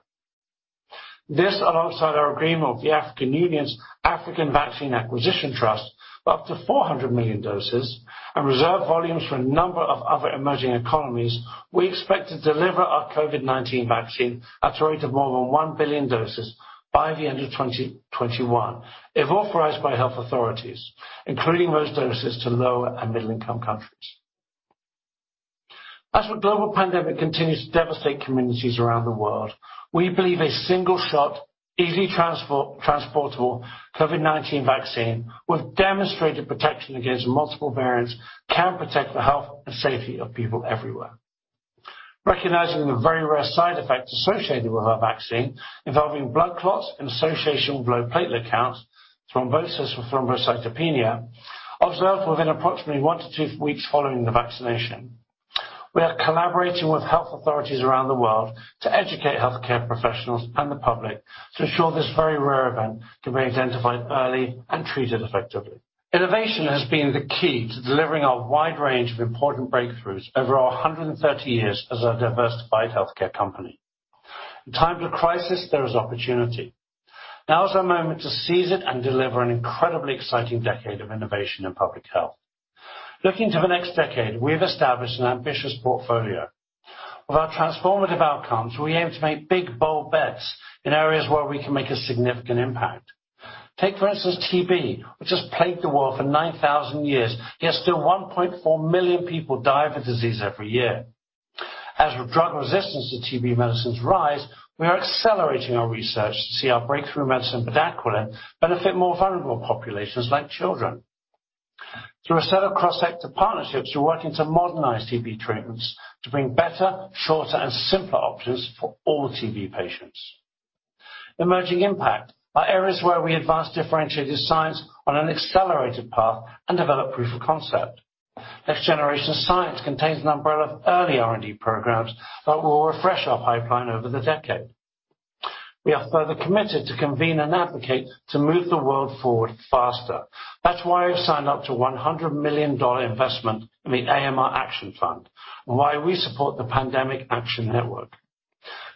This, alongside our agreement with the African Union's African Vaccine Acquisition Trust for up to 400 million doses, and reserve volumes for a number of other emerging economies, we expect to deliver our COVID-19 vaccine at a rate of more than one billion doses by the end of 2021, if authorized by health authorities, including those doses to low- and middle-income countries. As the global pandemic continues to devastate communities around the world, we believe a single-shot, easily transportable COVID-19 vaccine with demonstrated protection against multiple variants can protect the health and safety of people everywhere. Recognizing the very rare side effects associated with our vaccine, involving blood clots in association with low platelet counts, thrombosis with thrombocytopenia, observed within approximately one to two weeks following the vaccination, we are collaborating with health authorities around the world to educate healthcare professionals and the public to ensure this very rare event can be identified early and treated effectively. Innovation has been the key to delivering our wide range of important breakthroughs over our 130 years as a diversified healthcare company. In times of crisis, there is opportunity. Now is our moment to seize it and deliver an incredibly exciting decade of innovation in public health. Looking to the next decade, we have established an ambitious portfolio. With our transformative outcomes, we aim to make big, bold bets in areas where we can make a significant impact. Take, for instance, TB, which has plagued the world for 9,000 years, yet still 1.4 million people die of the disease every year. As drug resistance to TB medicines rise, we are accelerating our research to see our breakthrough medicine, bedaquiline, benefit more vulnerable populations like children. Through a set of cross-sector partnerships, we're working to modernize TB treatments to bring better, shorter, and simpler options for all TB patients. Emerging impact are areas where we advance differentiated science on an accelerated path and develop proof of concept. Next-generation science contains an umbrella of early R&D programs that will refresh our pipeline over the decade. We are further committed to convene and advocate to move the world forward faster. That's why we've signed up to $100 million investment in the AMR Action Fund, and why we support the Pandemic Action Network.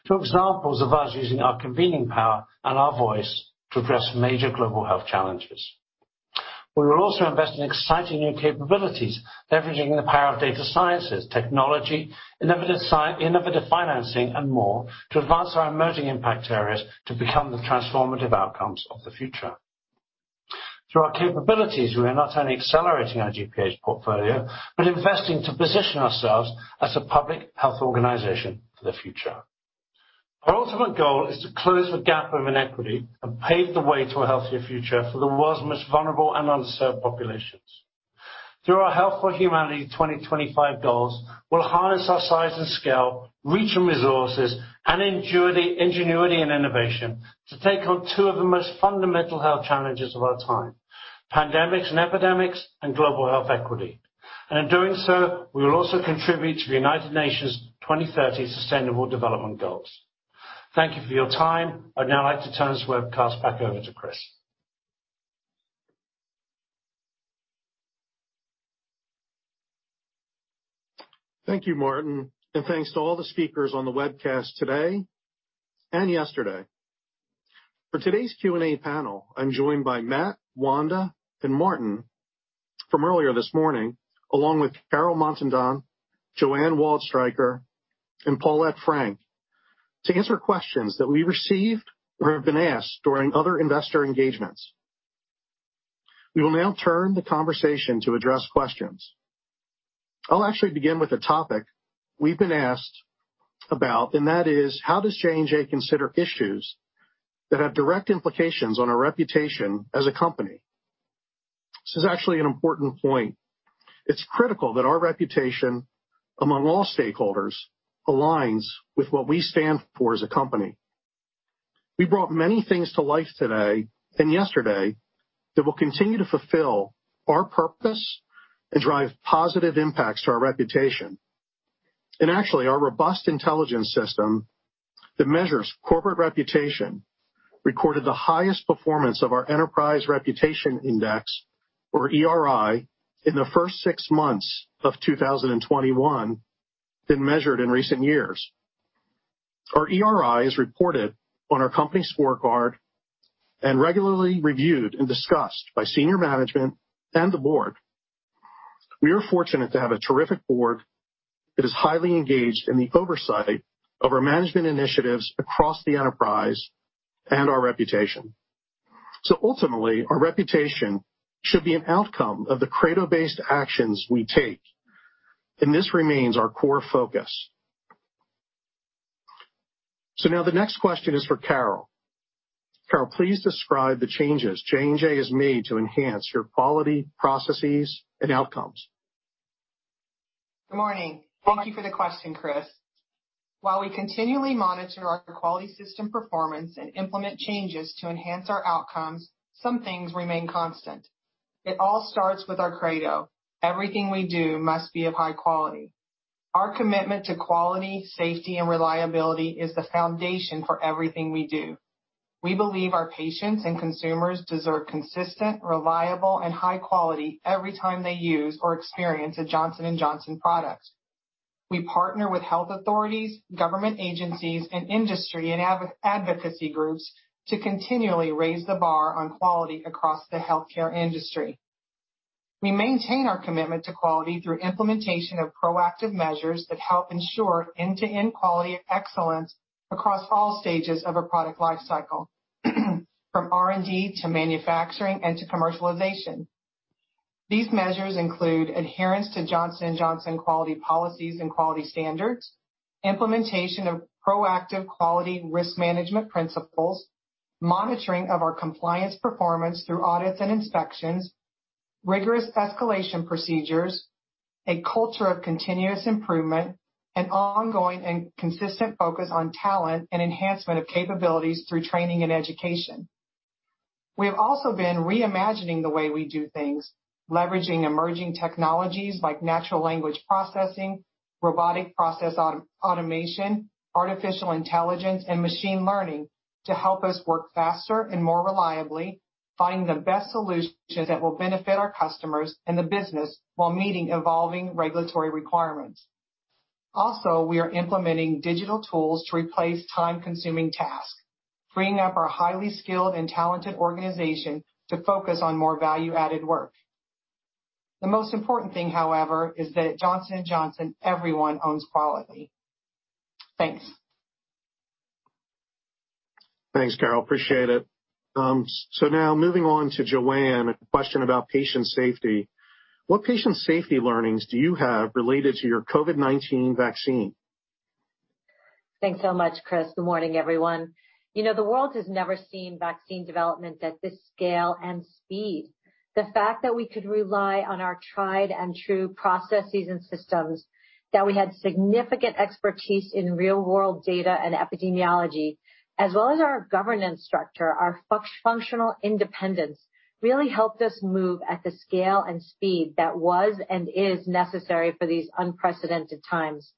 Two examples of us using our convening power and our voice to address major global health challenges. We will also invest in exciting new capabilities, leveraging the power of data sciences, technology, innovative financing, and more, to advance our emerging impact areas to become the transformative outcomes of the future. Through our capabilities, we are not only accelerating our GPH portfolio, but investing to position ourselves as a public health organization for the future. Our ultimate goal is to close the gap of inequity and pave the way to a healthier future for the world's most vulnerable and underserved populations. Through our Health for Humanity 2025 goals, we'll harness our size and scale, reach and resources, and ingenuity and innovation to take on two of the most fundamental health challenges of our time: pandemics and epidemics and global health equity. In doing so, we will also contribute to the United Nations' 2030 Sustainable Development Goals. Thank you for your time. I'd now like to turn this webcast back over to Chris. Thank you, Martin, and thanks to all the speakers on the webcast today and yesterday. For today's Q&A panel, I'm joined by Matt, Wanda, and Martin from earlier this morning, along with Carol Montandon, Joanne Waldstreicher, and Paulette Frank, to answer questions that we received or have been asked during other investor engagements. We will now turn the conversation to address questions. I'll actually begin with a topic we've been asked about, and that is how does J&J consider issues that have direct implications on our reputation as a company? This is actually an important point. It's critical that our reputation among all stakeholders aligns with what we stand for as a company. We brought many things to life today and yesterday that will continue to fulfill our purpose and drive positive impacts to our reputation. Actually, our Robust Intelligence system that measures corporate reputation recorded the highest performance of our Enterprise Reputation Index, or ERI, in the first six months of 2021 than measured in recent years. Our ERI is reported on our company scorecard and regularly reviewed and discussed by senior management and the board. We are fortunate to have a terrific board that is highly engaged in the oversight of our management initiatives across the enterprise and our reputation. Ultimately, our reputation should be an outcome of the credo-based actions we take, and this remains our core focus. Now the next question is for Carol. Carol, please describe the changes J&J has made to enhance your quality, processes, and outcomes. Good morning. Thank you for the question, Chris. While we continually monitor our quality system performance and implement changes to enhance our outcomes, some things remain constant. It all starts with our credo. Everything we do must be of high quality. Our commitment to quality, safety, and reliability is the foundation for everything we do. We believe our patients and consumers deserve consistent, reliable, and high quality every time they use or experience a Johnson & Johnson product. We partner with health authorities, government agencies, and industry, and advocacy groups to continually raise the bar on quality across the healthcare industry. We maintain our commitment to quality through implementation of proactive measures that help ensure end-to-end quality excellence across all stages of a product lifecycle, from R&D, to manufacturing, and to commercialization. These measures include adherence to Johnson & Johnson quality policies and quality standards, implementation of proactive quality risk management principles, monitoring of our compliance performance through audits and inspections, rigorous escalation procedures, a culture of continuous improvement, and ongoing and consistent focus on talent and enhancement of capabilities through training and education. We've also been reimagining the way we do things, leveraging emerging technologies like natural language processing, robotic process automation, artificial intelligence, and machine learning to help us work faster and more reliably, finding the best solutions that will benefit our customers and the business while meeting evolving regulatory requirements. We are implementing digital tools to replace time-consuming tasks, freeing up our highly skilled and talented organization to focus on more value-added work. The most important thing, however, is that at Johnson & Johnson, everyone owns quality. Thanks. Thanks, Carol. Appreciate it. Now moving on to Joanne, a question about patient safety. What patient safety learnings do you have related to your COVID-19 vaccine? Thanks so much, Chris. Good morning, everyone. The world has never seen vaccine development at this scale and speed. The fact that we could rely on our tried-and-true processes and systems, that we had significant expertise in real-world data and epidemiology, as well as our governance structure, our functional independence, really helped us move at the scale and speed that was and is necessary for these unprecedented times.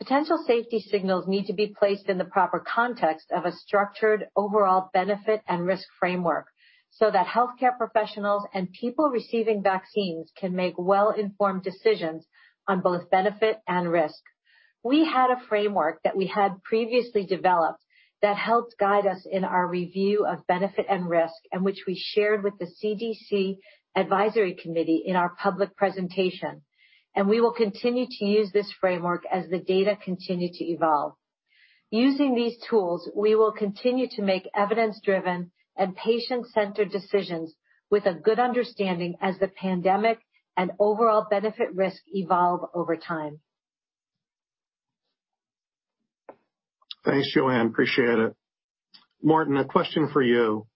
Potential safety signals need to be placed in the proper context of a structured overall benefit and risk framework so that healthcare professionals and people receiving vaccines can make well-informed decisions on both benefit and risk. We had a framework that we had previously developed that helped guide us in our review of benefit and risk, and which we shared with the CDC advisory committee in our public presentation. We will continue to use this framework as the data continue to evolve. Using these tools, we will continue to make evidence-driven and patient-centered decisions with a good understanding as the pandemic and overall benefit risk evolve over time. Thanks, Joanne. Appreciate it. Martin, a question for you.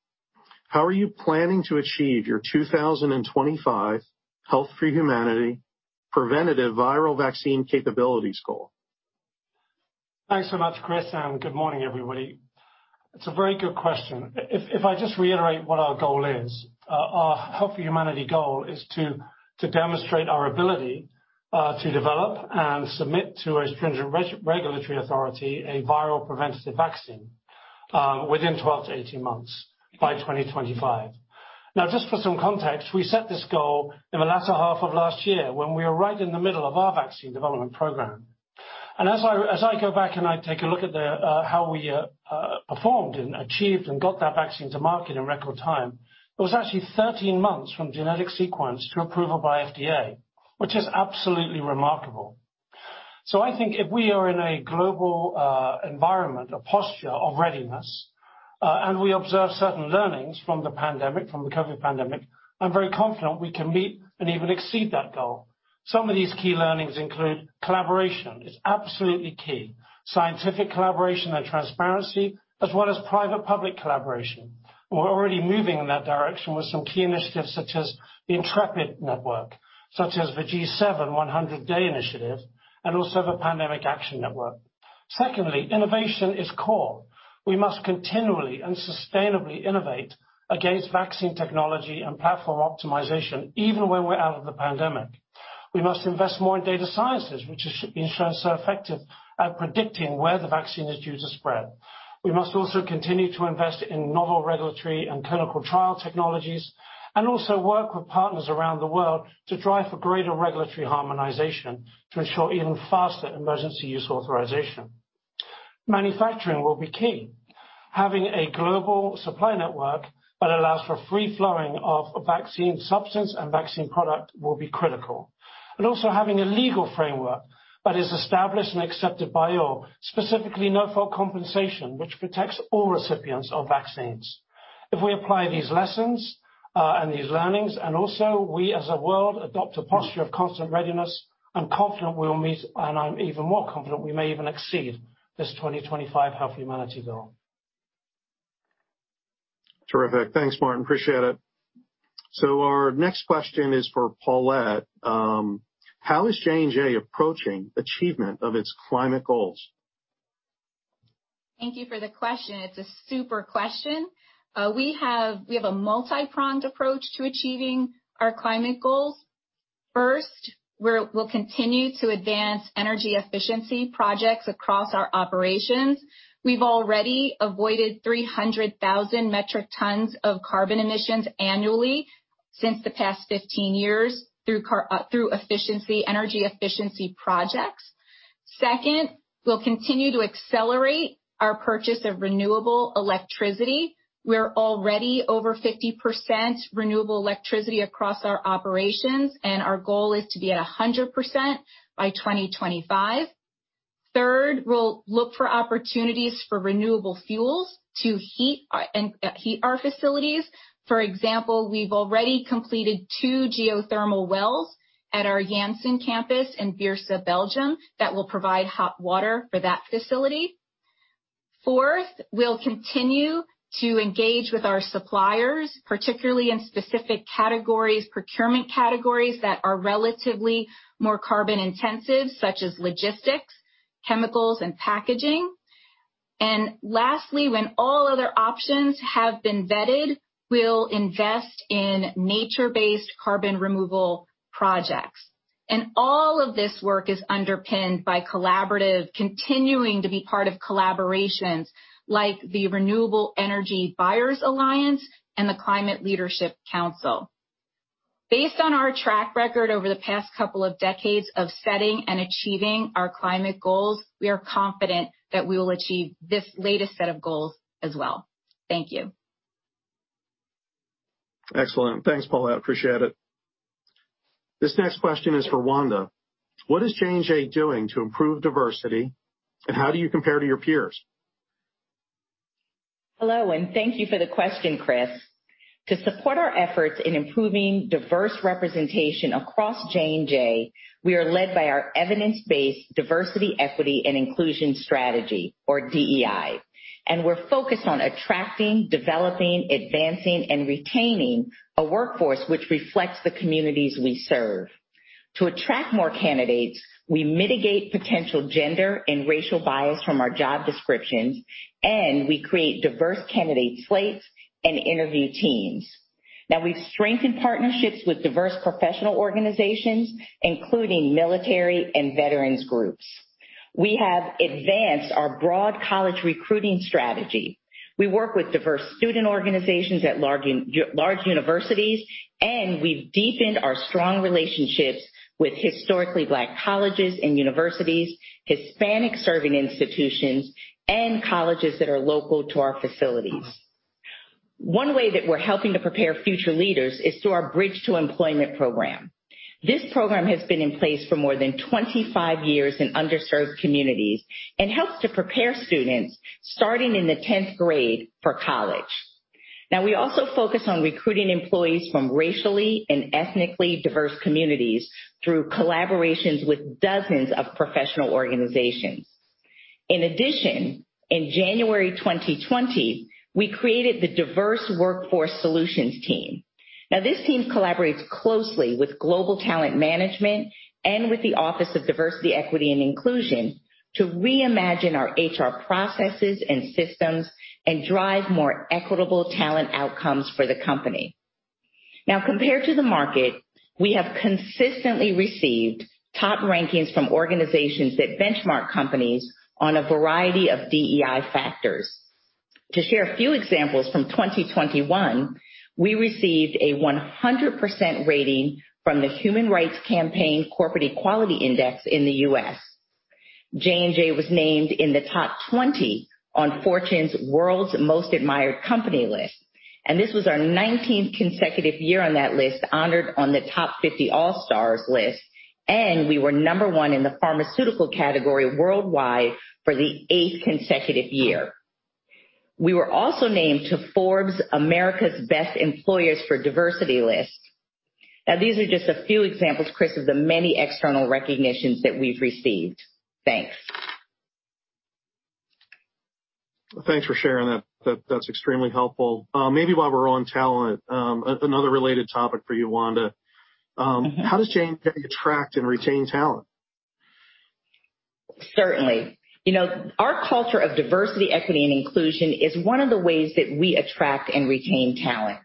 How are you planning to achieve your 2025 Health for Humanity preventative viral vaccine capability goal? Thanks so much, Chris DelOrefice. Good morning, everybody. It's a very good question. If I just reiterate what our goal is, our Health for Humanity goal is to demonstrate our ability to develop and submit to a stringent regulatory authority a viral preventative vaccine within 12-18 months, by 2025. Just for some context, we set this goal in the latter half of last year when we were right in the middle of our vaccine development program. As I go back and I take a look at how we performed and achieved and got that vaccine to market in record time, it was actually 13 months from genetic sequence to approval by FDA, which is absolutely remarkable. I think if we are in a global environment, a posture of readiness, and we observe certain learnings from the COVID pandemic, I'm very confident we can meet and even exceed that goal. Some of these key learnings include collaboration is absolutely key, scientific collaboration and transparency, as well as private-public collaboration. We're already moving in that direction with some key initiatives such as the INTREPID Alliance, such as the G7's 100 Days Mission, and also the Pandemic Action Network. Secondly, innovation is core. We must continually and sustainably innovate against vaccine technology and platform optimization, even when we're out of the pandemic. We must invest more in data sciences, which has been shown so effective at predicting where the vaccine is due to spread. We must also continue to invest in novel regulatory and clinical trial technologies, and also work with partners around the world to drive for greater regulatory harmonization to ensure even faster emergency use authorization. Manufacturing will be key. Having a global supply network that allows for free flowing of vaccine substance and vaccine product will be critical, and also having a legal framework that is established and accepted by all, specifically no-fault compensation, which protects all recipients of vaccines. If we apply these lessons and these learnings, and also we as a world adopt a posture of constant readiness, I'm confident we'll meet, and I'm even more confident we may even exceed this 2025 Health for Humanity goal. Terrific. Thanks, Martin. Appreciate it. Our next question is for Paulette. How is J&J approaching achievement of its climate goals? Thank you for the question. It's a super question. We have a multi-pronged approach to achieving our climate goals. First, we'll continue to advance energy efficiency projects across our operations. We've already avoided 300,000 metric tons of carbon emissions annually since the past 15 years through energy efficiency projects. Second, we'll continue to accelerate our purchase of renewable electricity. We're already over 50% renewable electricity across our operations, and our goal is to be at 100% by 2025. Third, we'll look for opportunities for renewable fuels to heat our facilities. For example, we've already completed two geothermal wells at our Janssen campus in Beerse, Belgium, that will provide hot water for that facility. Fourth, we'll continue to engage with our suppliers, particularly in specific procurement categories that are relatively more carbon intensive, such as logistics, chemicals, and packaging. Lastly, when all other options have been vetted, we'll invest in nature-based carbon removal projects. All of this work is underpinned by continuing to be part of collaborations like the Clean Energy Buyers Alliance and the Climate Leadership Council. Based on our track record over the past couple of decades of setting and achieving our climate goals, we are confident that we will achieve this latest set of goals as well. Thank you. Excellent. Thanks, Paulette, appreciate it. This next question is for Wanda. What is J&J doing to improve diversity, and how do you compare to your peers? Hello, thank you for the question, Chris. To support our efforts in improving diverse representation across J&J, we are led by our evidence-based diversity, equity, and inclusion strategy, or DEI. We're focused on attracting, developing, advancing, and retaining a workforce which reflects the communities we serve. To attract more candidates, we mitigate potential gender and racial bias from our job descriptions. We create diverse candidate slates and interview teams. Now, we've strengthened partnerships with diverse professional organizations, including military and veterans groups. We have advanced our broad college recruiting strategy. We work with diverse student organizations at large universities. We've deepened our strong relationships with historically Black colleges and universities, Hispanic-serving institutions, and colleges that are local to our facilities. One way that we're helping to prepare future leaders is through our Bridge to Employment program. This program has been in place for more than 25 years in underserved communities and helps to prepare students starting in the 10th grade for college. We also focus on recruiting employees from racially and ethnically diverse communities through collaborations with dozens of professional organizations. In addition, in January 2020, we created the Diverse Workforce Solutions team. This team collaborates closely with Global Talent Management and with the Office of Diversity, Equity and Inclusion to reimagine our HR processes and systems and drive more equitable talent outcomes for the company. Compared to the market, we have consistently received top rankings from organizations that benchmark companies on a variety of DEI factors. To share a few examples from 2021, we received a 100% rating from the Human Rights Campaign Corporate Equality Index in the U.S. J&J was named in the top 20 on Fortune's World's Most Admired Company list. This was our 19th consecutive year on that list, honored on the top 50 all-stars list, and we were number one in the pharmaceutical category worldwide for the eighth consecutive year. We were also named to Forbes America's Best Employers for Diversity list. These are just a few examples, Chris, of the many external recognitions that we've received. Thanks. Thanks for sharing that. That's extremely helpful. Maybe while we're on talent, another related topic for you, Wanda. How does J&J attract and retain talent? Certainly. Our Culture of Diversity, Equity, and Inclusion is one of the ways that we attract and retain talent.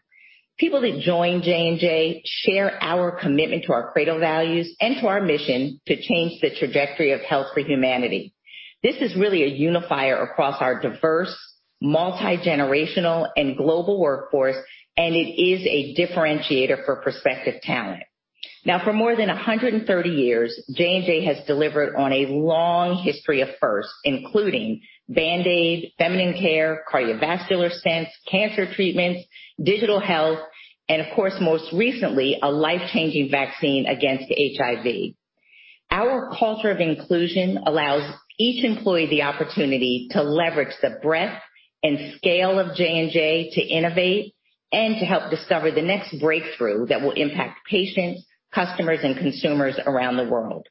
People that join J&J share our commitment to our credo values and to our mission to change the trajectory of Health for Humanity. This is really a unifier across our diverse, multi-generational, and global workforce, and it is a differentiator for prospective talent. For more than 130 years, J&J has delivered on a long history of firsts, including Band-Aid, feminine care, cardiovascular stents, cancer treatments, digital health, and of course, most recently, a life-changing vaccine against HIV. Our culture of inclusion allows each employee the opportunity to leverage the breadth and scale of J&J to innovate and to help discover the next breakthrough that will impact patients, customers, and consumers around the world.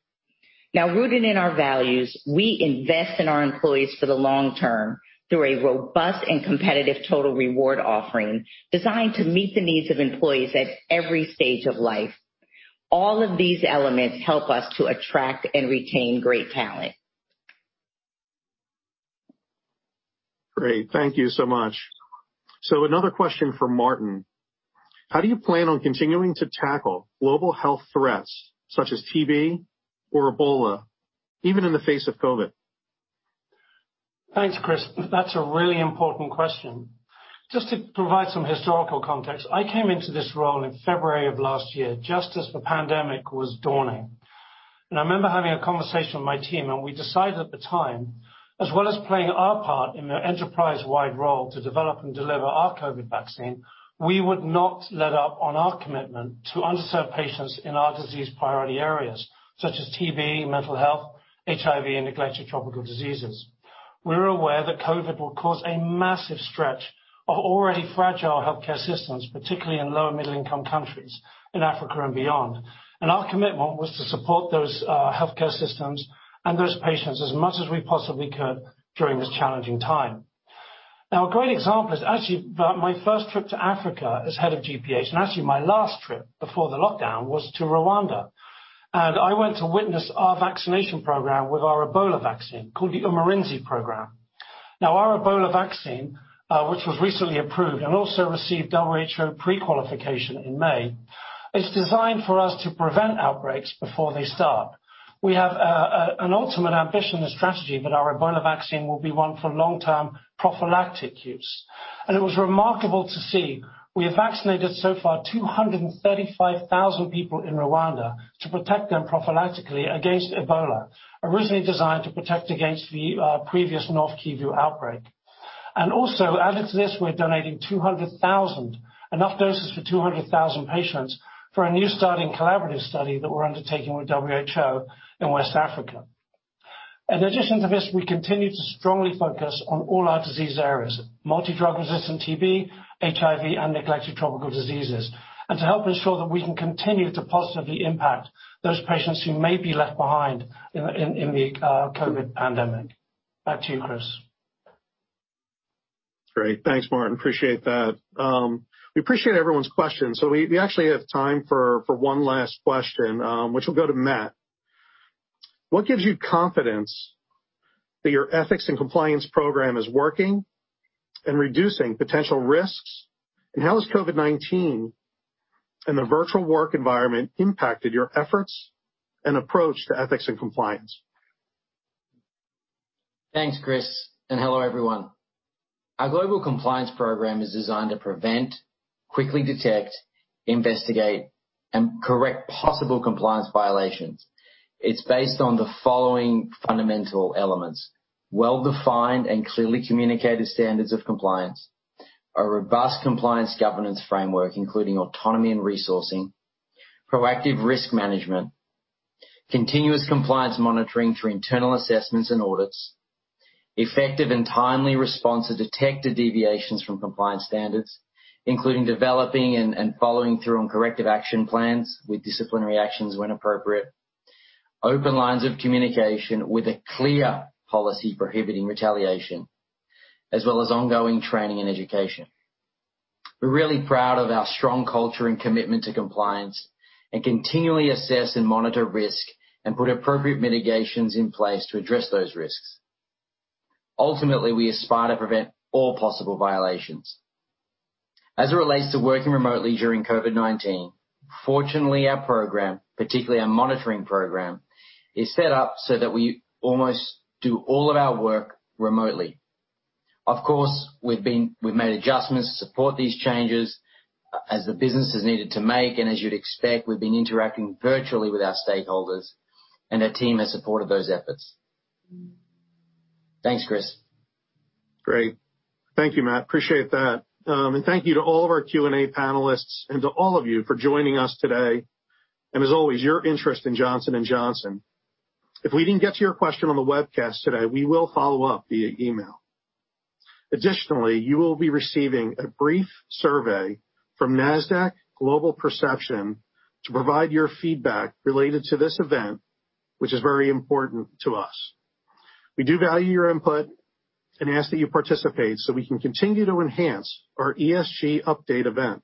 Rooted in our values, we invest in our employees for the long term through a robust and competitive total reward offering designed to meet the needs of employees at every stage of life. All of these elements help us to attract and retain great talent. Great. Thank you so much. Another question from Martin. How do you plan on continuing to tackle global health threats such as TB or Ebola, even in the face of COVID? Thanks, Chris DelOrefice. That's a really important question. Just to provide some historical context, I came into this role in February of last year, just as the pandemic was dawning. I remember having a conversation with my team, and we decided at the time, as well as playing our part in an enterprise-wide role to develop and deliver our COVID-19 vaccine, we would not let up on our commitment to underserved patients in our disease priority areas such as TB, mental health, HIV, and neglected tropical diseases. We were aware that COVID-19 would cause a massive stretch of already fragile healthcare systems, particularly in low- and middle-income countries in Africa and beyond. Our commitment was to support those healthcare systems and those patients as much as we possibly could during this challenging time. A great example is actually my first trip to Africa as head of GPH, and actually my last trip before the lockdown was to Rwanda. I went to witness our vaccination program with our Ebola vaccine, called the UMURINZI program. Our Ebola vaccine, which was recently approved and also received WHO prequalification in May, is designed for us to prevent outbreaks before they start. We have an ultimate ambition and strategy that our Ebola vaccine will be one for long-term prophylactic use. It was remarkable to see. We have vaccinated so far 235,000 people in Rwanda to protect them prophylactically against Ebola, originally designed to protect against the previous North Kivu outbreak. Also added to this, we're donating 200,000, enough doses for 200,000 patients, for a new starting collaborative study that we're undertaking with WHO in West Africa. In addition to this, we continue to strongly focus on all our disease areas, multi-drug resistant TB, HIV, and neglected tropical diseases, and to help ensure that we can continue to positively impact those patients who may be left behind in the COVID pandemic. Back to you, Chris. Great. Thanks, Martin. Appreciate that. We appreciate everyone's questions. We actually have time for one last question, which will go to Matt. What gives you confidence that your ethics and compliance program is working and reducing potential risks? How has COVID-19 and a virtual work environment impacted your efforts and approach to ethics and compliance? Thanks, Chris, and hello, everyone. Our global compliance program is designed to prevent, quickly detect, investigate, and correct possible compliance violations. It's based on the following fundamental elements. Well-defined and clearly communicated standards of compliance, a robust compliance governance framework, including autonomy and resourcing, proactive risk management, continuous compliance monitoring through internal assessments and audits, effective and timely response to detected deviations from compliance standards, including developing and following through on corrective action plans with disciplinary actions when appropriate, open lines of communication with a clear policy prohibiting retaliation, as well as ongoing training and education. We're really proud of our strong culture and commitment to compliance and continually assess and monitor risk and put appropriate mitigations in place to address those risks. Ultimately, we aspire to prevent all possible violations. As it relates to working remotely during COVID-19, fortunately, our program, particularly our monitoring program, is set up so that we almost do all of our work remotely. Of course, we've made adjustments to support these changes as the business has needed to make. As you'd expect, we've been interacting virtually with our stakeholders and the team has supported those efforts. Thanks, Chris. Great. Thank you, Matt. Appreciate that. Thank you to all of our Q&A panelists and to all of you for joining us today. As always, your interest in Johnson & Johnson. If we didn't get to your question on the webcast today, we will follow up via email. Additionally, you will be receiving a brief survey from Nasdaq Global Perception to provide your feedback related to this event, which is very important to us. We do value your input and ask that you participate so we can continue to enhance our ESG update event.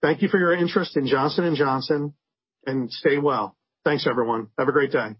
Thank you for your interest in Johnson & Johnson, and stay well. Thanks, everyone. Have a great day.